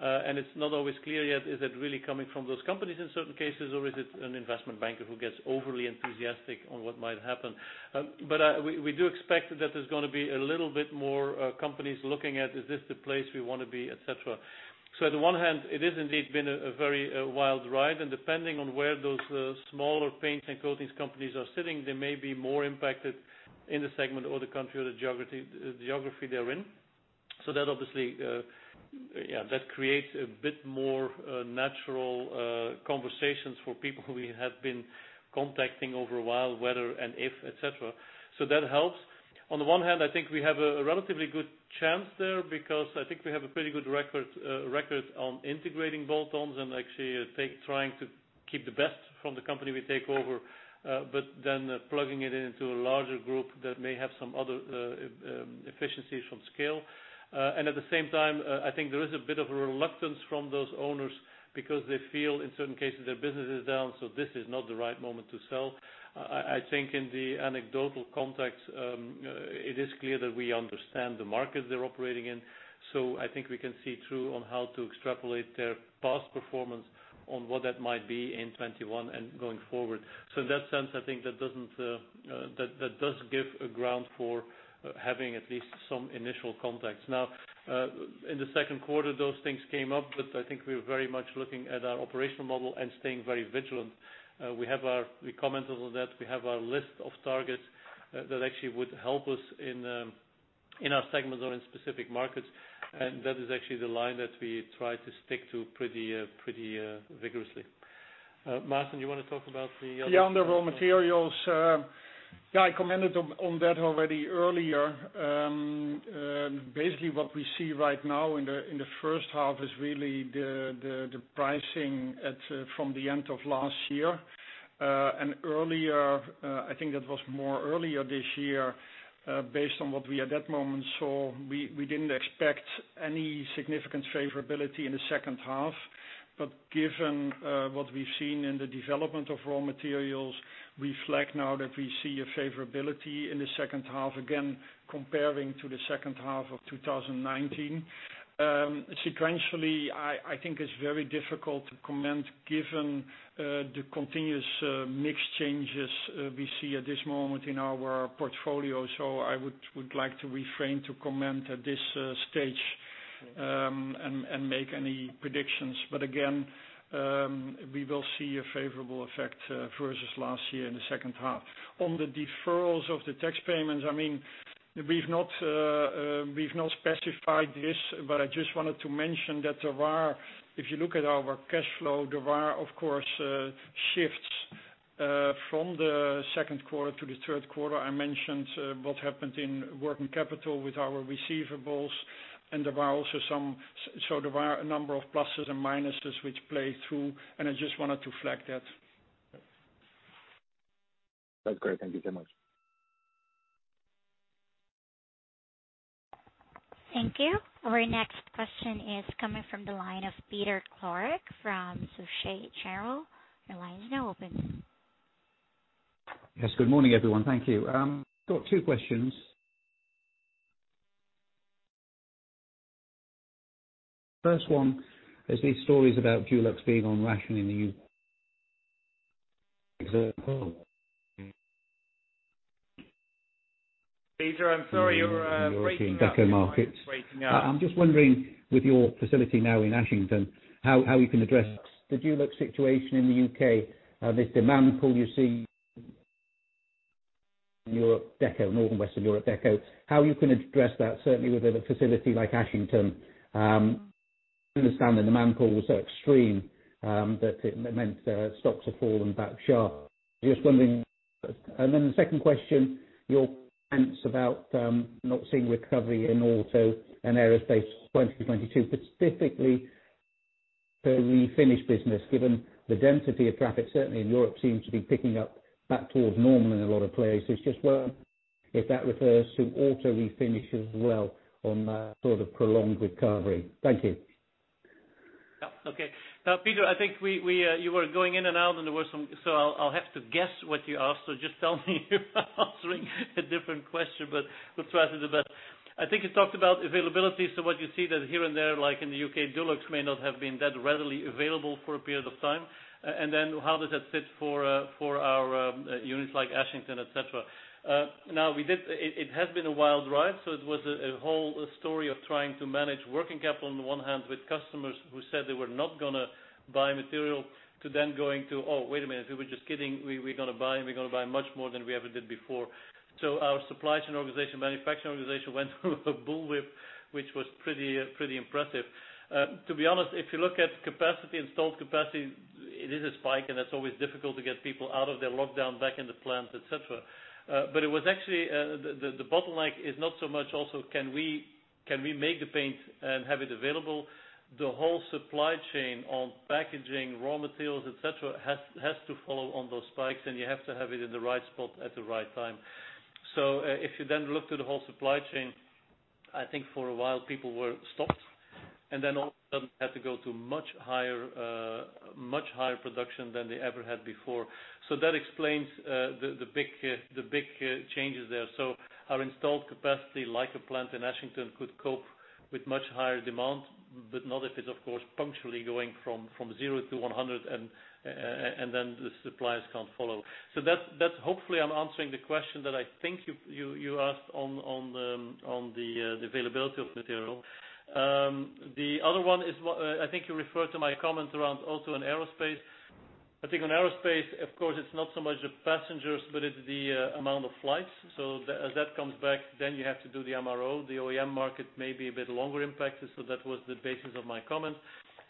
It's not always clear yet, is it really coming from those companies in certain cases, or is it an investment banker who gets overly enthusiastic on what might happen? We do expect that there's going to be a little bit more companies looking at, "Is this the place we want to be," et cetera. On the one hand, it has indeed been a very wild ride, and depending on where those smaller paints and coatings companies are sitting, they may be more impacted in the segment or the country or the geography they're in. That obviously creates a bit more natural conversations for people who we have been contacting over a while, whether and if, et cetera. That helps. On the one hand, I think we have a relatively good chance there, because I think we have a pretty good record on integrating bolt-ons and actually trying to keep the best from the company we take over, but then plugging it into a larger group that may have some other efficiencies from scale. At the same time, I think there is a bit of a reluctance from those owners because they feel in certain cases their business is down, so this is not the right moment to sell. I think in the anecdotal context, it is clear that we understand the market they're operating in. I think we can see through on how to extrapolate their past performance on what that might be in 2021 and going forward. In that sense, I think that does give a ground for having at least some initial contacts. In the second quarter, those things came up, but I think we're very much looking at our operational model and staying very vigilant. We commented on that. We have our list of targets that actually would help us in our segments or in specific markets. That is actually the line that we try to stick to pretty vigorously. Maarten, you want to talk about the other? Yeah, on the raw materials. Yeah, I commented on that already earlier. Basically, what we see right now in the first half is really the pricing from the end of last year. Earlier, I think that was more earlier this year, based on what we at that moment saw, we didn't expect any significant favorability in the second half. Given what we've seen in the development of raw materials, we flag now that we see a favorability in the second half, again, comparing to the second half of 2019. Sequentially, I think it's very difficult to comment given the continuous mix changes we see at this moment in our portfolio. I would like to refrain to comment at this stage and make any predictions. Again, we will see a favorable effect versus last year in the second half. On the deferrals of the tax payments, we've not specified this, but I just wanted to mention that if you look at our cash flow, there are, of course, shifts from the second quarter to the third quarter. I mentioned what happened in working capital with our receivables, there were a number of pluses and minuses which play through, and I just wanted to flag that. That's great. Thank you so much. Thank you. Our next question is coming from the line of Peter Clark from Societe Generale. Your line is now open. Yes, good morning, everyone. Thank you. Got two questions. First one is these stories about Dulux being on ration in the U.K. Peter, I'm sorry, you were breaking up. In majority in Deco markets. I'm just wondering, with your facility now in Ashington, how you can address the Dulux situation in the U.K., this demand pull you see in Northern West of Europe Deco. How you can address that, certainly with a facility like Ashington. Understand the demand pull was so extreme that it meant stocks have fallen back sharp. Just wondering. The second question, your comments about not seeing recovery in auto and aerospace 2022, specifically the refinish business, given the density of traffic, certainly in Europe, seems to be picking up back towards normal in a lot of places. Just wondering if that refers to auto refinish as well on sort of prolonged recovery. Thank you. Okay. Peter, I think you were going in and out, so I'll have to guess what you asked. Just tell me if I'm answering a different question, but we'll try to do that. I think you talked about availability. What you see that here and there, like in the U.K., Dulux may not have been that readily available for a period of time. How does that sit for our units like Ashington, et cetera? It has been a wild ride, so it was a whole story of trying to manage working capital on the one hand with customers who said they were not going to buy material, to then going to, "Oh, wait a minute, we were just kidding. We're going to buy, and we're going to buy much more than we ever did before. Our supply chain organization, manufacturing organization, went through a bullwhip, which was pretty impressive. To be honest, if you look at capacity, installed capacity, it is a spike and it's always difficult to get people out of their lockdown back in the plant, et cetera. It was actually, the bottleneck is not so much also can we make the paint and have it available. The whole supply chain on packaging, raw materials, et cetera, has to follow on those spikes and you have to have it in the right spot at the right time. If you then look to the whole supply chain, I think for a while people were stopped and then all of a sudden had to go to much higher production than they ever had before. That explains the big changes there. Our installed capacity, like a plant in Ashington, could cope with much higher demand, but not if it's of course punctually going from zero to 100 and then the suppliers can't follow. That's hopefully I'm answering the question that I think you asked on the availability of material. The other one is, I think you refer to my comment around auto and aerospace. I think on aerospace, of course, it's not so much the passengers, but it's the amount of flights. As that comes back, then you have to do the MRO. The OEM market may be a bit longer impacted, so that was the basis of my comment.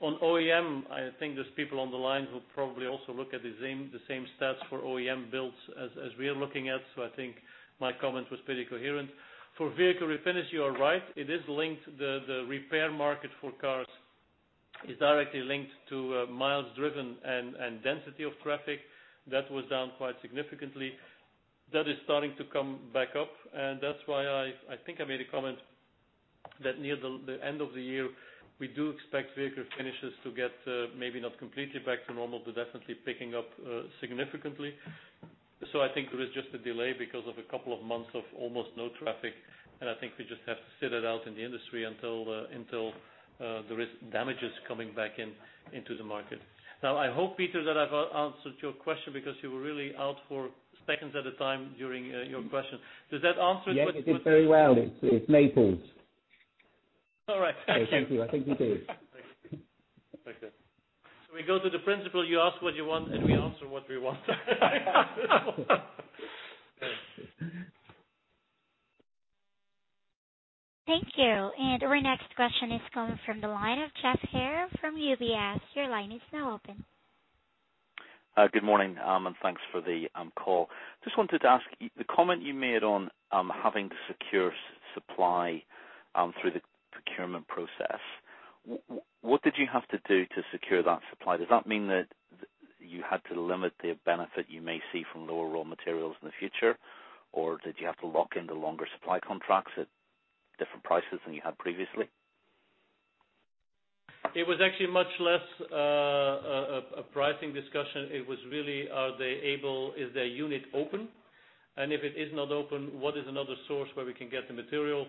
On OEM, I think there's people on the line who probably also look at the same stats for OEM builds as we are looking at, so I think my comment was pretty coherent. For Vehicle Refinishes, you are right. The repair market for cars is directly linked to miles driven and density of traffic. That was down quite significantly. That is starting to come back up, and that's why I think I made a comment that near the end of the year, we do expect Vehicle Refinishes to get, maybe not completely back to normal, but definitely picking up significantly. I think there is just a delay because of a couple of months of almost no traffic, and I think we just have to sit it out in the industry until there is damages coming back into the market. Now, I hope, Peter, that I've answered your question because you were really out for seconds at a time during your question. Does that answer it? Yes, it did very well. It's Naples. All right. Thank you. I think you did. Thank you. We go to the principle, you ask what you want, and we answer what we want. Thank you. Our next question is coming from the line of Geoff Haire from UBS. Your line is now open. Good morning. Thanks for the call. Just wanted to ask, the comment you made on having secure supply through the procurement process, what did you have to do to secure that supply? Does that mean that you had to limit the benefit you may see from lower raw materials in the future, or did you have to lock into longer supply contracts at different prices than you had previously? It was actually much less a pricing discussion. It was really, are they able, is their unit open? If it is not open, what is another source where we can get the material?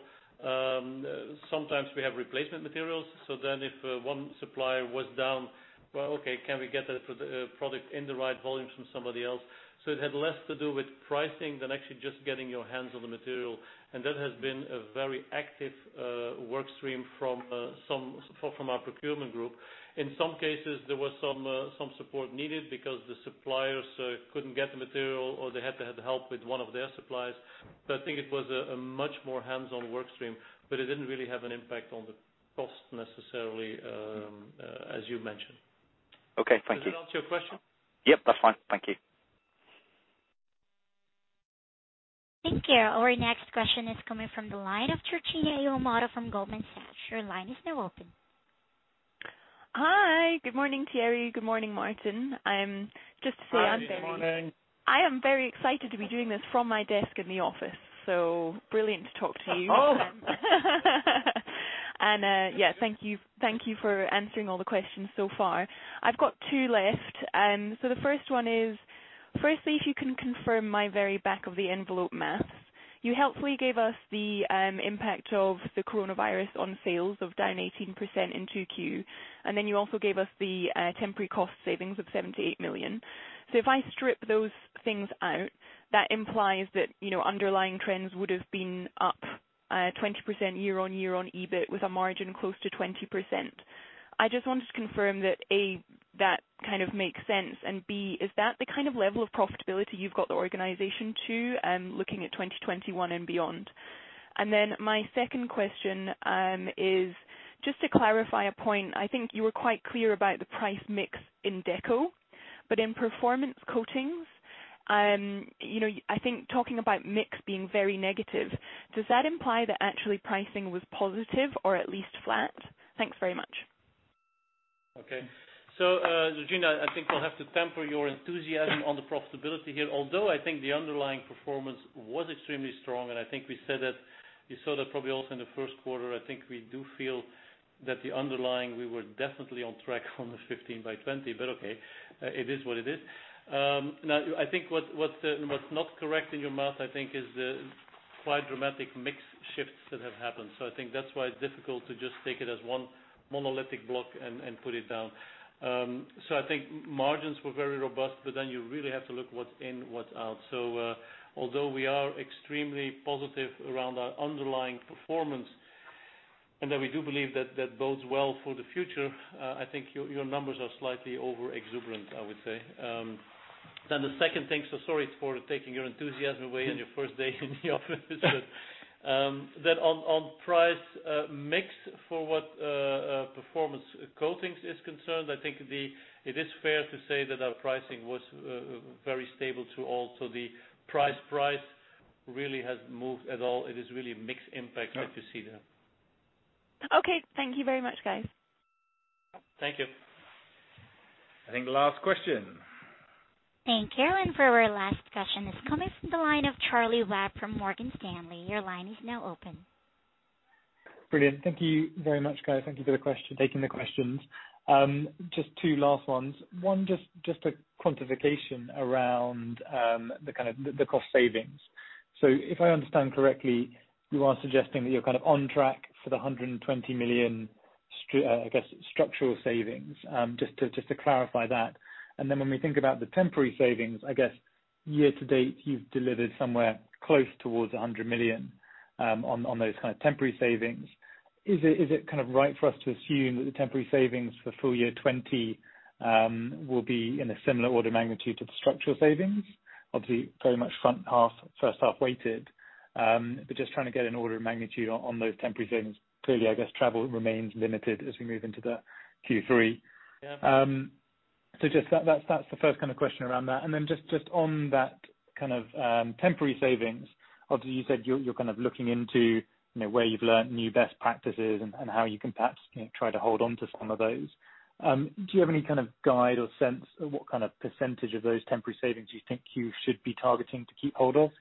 Sometimes we have replacement materials, so then if one supplier was down, well, okay, can we get the product in the right volumes from somebody else? It had less to do with pricing than actually just getting your hands on the material. That has been a very active work stream from our procurement group. In some cases, there was some support needed because the suppliers couldn't get the material or they had to have help with one of their suppliers. I think it was a much more hands-on work stream, but it didn't really have an impact on the cost necessarily, as you mentioned. Okay. Thank you. Does that answer your question? Yep, that's fine. Thank you. Thank you. Our next question is coming from the line of Georgina Iwamoto from Goldman Sachs. Your line is now open. Hi. Good morning, Thierry. Good morning, Maarten. Hi, good morning. I am very excited to be doing this from my desk in the office, so brilliant to talk to you. Oh. Thank you for answering all the questions so far. I've got two left. The first one is, firstly, if you can confirm my very back-of-the-envelope math. You helpfully gave us the impact of the coronavirus on sales of down 18% in 2Q. You also gave us the temporary cost savings of 78 million. If I strip those things out, that implies that underlying trends would've been up 20% year-over-year on EBIT with a margin close to 20%. I just wanted to confirm that, A, that kind of makes sense and B, is that the kind of level of profitability you've got the organization to, looking at 2021 and beyond? My second question is just to clarify a point. I think you were quite clear about the price mix in Deco, but in Performance Coatings, I think talking about mix being very negative, does that imply that actually pricing was positive or at least flat? Thanks very much. Georgina, I think we'll have to temper your enthusiasm on the profitability here, although I think the underlying performance was extremely strong, and I think we saw that probably also in the first quarter. I think we do feel that the underlying, we were definitely on track on the 15 by 20, okay, it is what it is. I think what's not correct in your math, I think is the quite dramatic mix shifts that have happened. I think that's why it's difficult to just take it as one monolithic block and put it down. I think margins were very robust, you really have to look what's in, what's out. Although we are extremely positive around our underlying performance, and that we do believe that bodes well for the future, I think your numbers are slightly over-exuberant, I would say. The second thing, sorry for taking your enthusiasm away on your first day in the office. On price mix for what Performance Coatings is concerned, I think it is fair to say that our pricing was very stable to all. The price really hasn't moved at all. It is really mix impact that you see there. Okay. Thank you very much, guys. Thank you. I think last question. Thank you. For our last question is coming from the line of Charlie Webb from Morgan Stanley. Your line is now open. Brilliant. Thank you very much, guys. Thank you for taking the questions. Just two last ones. One, just a quantification around the cost savings. If I understand correctly, you are suggesting that you're on track for the 120 million, I guess, structural savings. Just to clarify that. When we think about the temporary savings, I guess year to date, you've delivered somewhere close towards 100 million on those temporary savings. Is it right for us to assume that the temporary savings for full year 2020 will be in a similar order magnitude to the structural savings? Obviously very much front half, first half weighted. Just trying to get an order of magnitude on those temporary savings. Clearly, I guess travel remains limited as we move into the Q3. Yeah. Just that's the first question around that. Just on that temporary savings, obviously you said you're looking into where you've learned new best practices and how you can perhaps try to hold onto some of those. Do you have any kind of guide or sense of what kind of percentage of those temporary savings you think you should be targeting to keep hold of?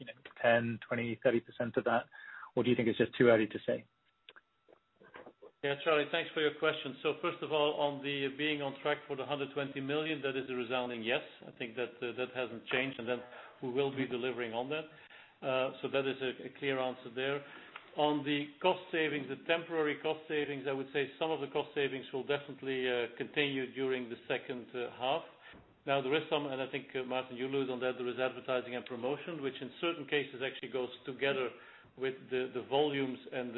10%, 20%, 30% of that, or do you think it's just too early to say? Yeah. Charlie, thanks for your question. First of all, on the being on track for the 120 million, that is a resounding yes. I think that hasn't changed, and then we will be delivering on that. That is a clear answer there. On the cost savings, the temporary cost savings, I would say some of the cost savings will definitely continue during the second half. There is some, and I think, Maarten, you lose on that. There is advertising and promotion, which in certain cases actually goes together with the volumes and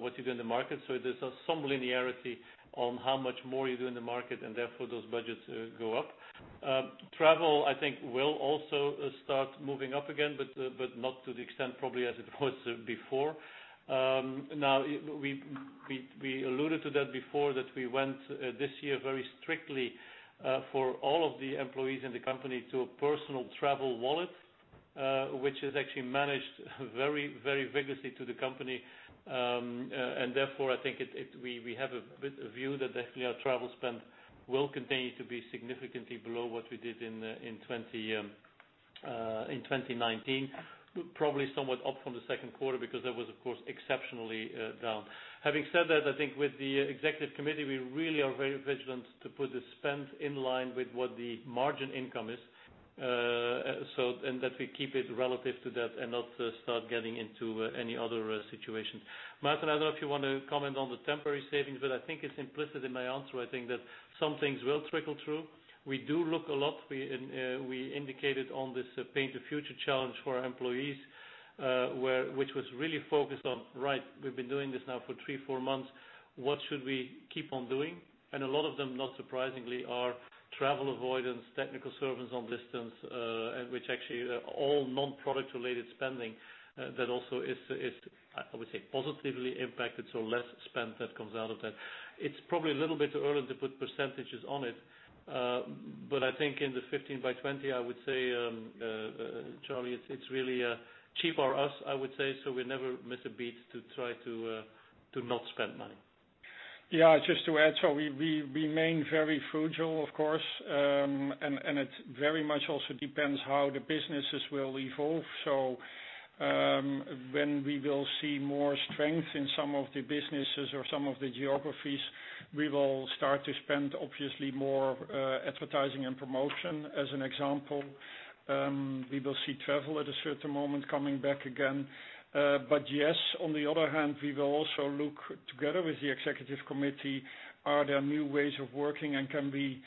what you do in the market. There's some linearity on how much more you do in the market, and therefore those budgets go up. Travel, I think will also start moving up again, but not to the extent probably as it was before. Now we alluded to that before, that we went this year very strictly for all of the employees in the company to a personal travel wallet, which is actually managed very vigorously to the company. Therefore, I think we have a bit of view that definitely our travel spend will continue to be significantly below what we did in 2019, probably somewhat up from the second quarter because that was of course, exceptionally down. Having said that, I think with the executive committee, we really are very vigilant to put the spend in line with what the margin income is. That we keep it relative to that and not start getting into any other situation. Maarten, I don't know if you want to comment on the temporary savings, but I think it's implicit in my answer. I think that some things will trickle through. We do look a lot, we indicated on this Paint the Future challenge for our employees, which was really focused on, right, we've been doing this now for three, four months. What should we keep on doing? A lot of them, not surprisingly, are travel avoidance, technical service on distance, and which actually are all non-product related spending. That also is, I would say, positively impacted, so less spend that comes out of that. It's probably a little bit early to put % on it. I think in the 15 by 20, I would say, Charlie, it's really cheaper us, I would say, so we never miss a beat to try to not spend money. Yeah, just to add. We remain very frugal, of course. It very much also depends how the businesses will evolve. When we will see more strength in some of the businesses or some of the geographies, we will start to spend obviously more advertising and promotion. As an example, we will see travel at a certain moment coming back again. Yes, on the other hand, we will also look together with the Executive Committee, are there new ways of working and can we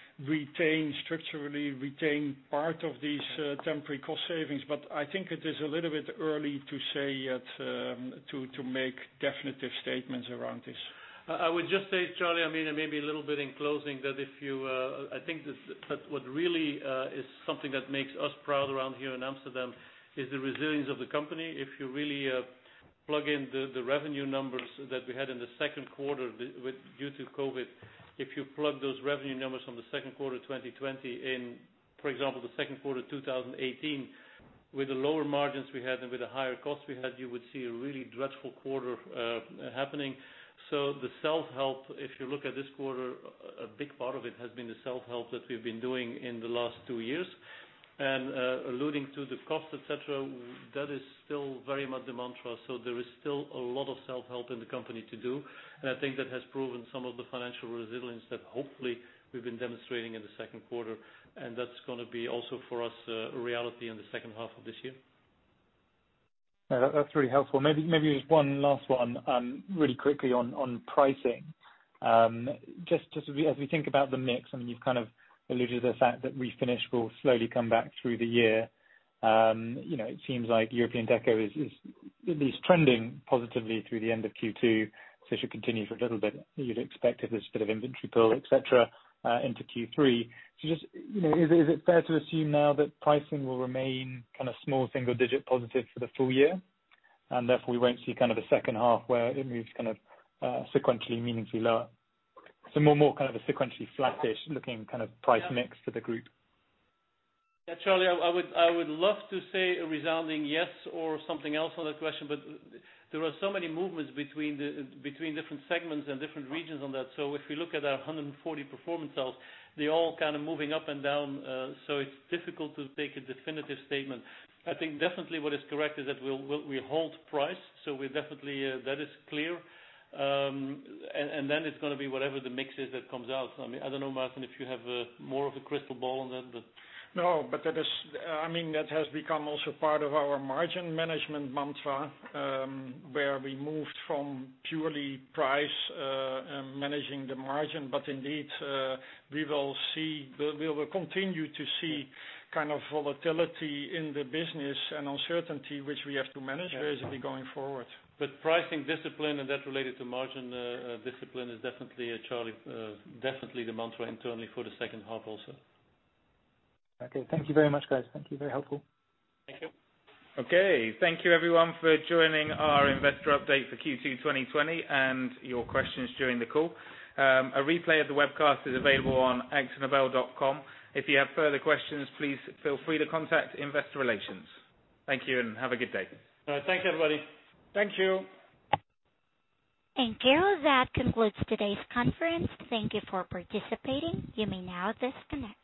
structurally retain part of these temporary cost savings? I think it is a little bit early to make definitive statements around this. I would just say, Charlie, maybe a little bit in closing, that I think what really is something that makes us proud around here in Amsterdam is the resilience of the company. If you really plug in the revenue numbers that we had in the second quarter due to COVID, if you plug those revenue numbers from the second quarter 2020 in, for example, the second quarter 2018, with the lower margins we had and with the higher costs we had, you would see a really dreadful quarter happening. The self-help, if you look at this quarter, a big part of it has been the self-help that we've been doing in the last two years. Alluding to the cost, et cetera, that is still very much the mantra. There is still a lot of self-help in the company to do. I think that has proven some of the financial resilience that hopefully we've been demonstrating in the second quarter, and that's going to be also for us, a reality in the second half of this year. That's really helpful. Maybe just one last one, really quickly on pricing. Just as we think about the mix, you've kind of alluded to the fact that Refinish will slowly come back through the year. It seems like European Deco is at least trending positively through the end of Q2, so it should continue for a little bit. You'd expect it, there's a bit of inventory pull, et cetera, into Q3. Is it fair to assume now that pricing will remain small single-digit positive for the full year, and therefore we won't see the second half where it moves sequentially meaningfully lower? More kind of a sequentially flattish looking kind of price mix for the group. Yeah, Charlie, I would love to say a resounding yes or something else on that question, but there are so many movements between different segments and different regions on that. If we look at our 140 performance cells, they're all kind of moving up and down. It's difficult to make a definitive statement. I think definitely what is correct is that we hold price, so definitely that is clear. It's going to be whatever the mix is that comes out. I don't know, Maarten, if you have more of a crystal ball on that. No, that has become also part of our margin management mantra, where we moved from purely price and managing the margin. Indeed, we will continue to see volatility in the business and uncertainty, which we have to manage reasonably going forward. Pricing discipline and that related to margin discipline is definitely, Charlie, the mantra internally for the second half also. Okay. Thank you very much, guys. Thank you. Very helpful. Thank you. Okay. Thank you everyone for joining our investor update for Q2 2020 and your questions during the call. A replay of the webcast is available on akzonobel.com. If you have further questions, please feel free to contact investor relations. Thank you and have a good day. All right. Thanks everybody. Thank you. Carol, that concludes today's conference. Thank you for participating. You may now disconnect.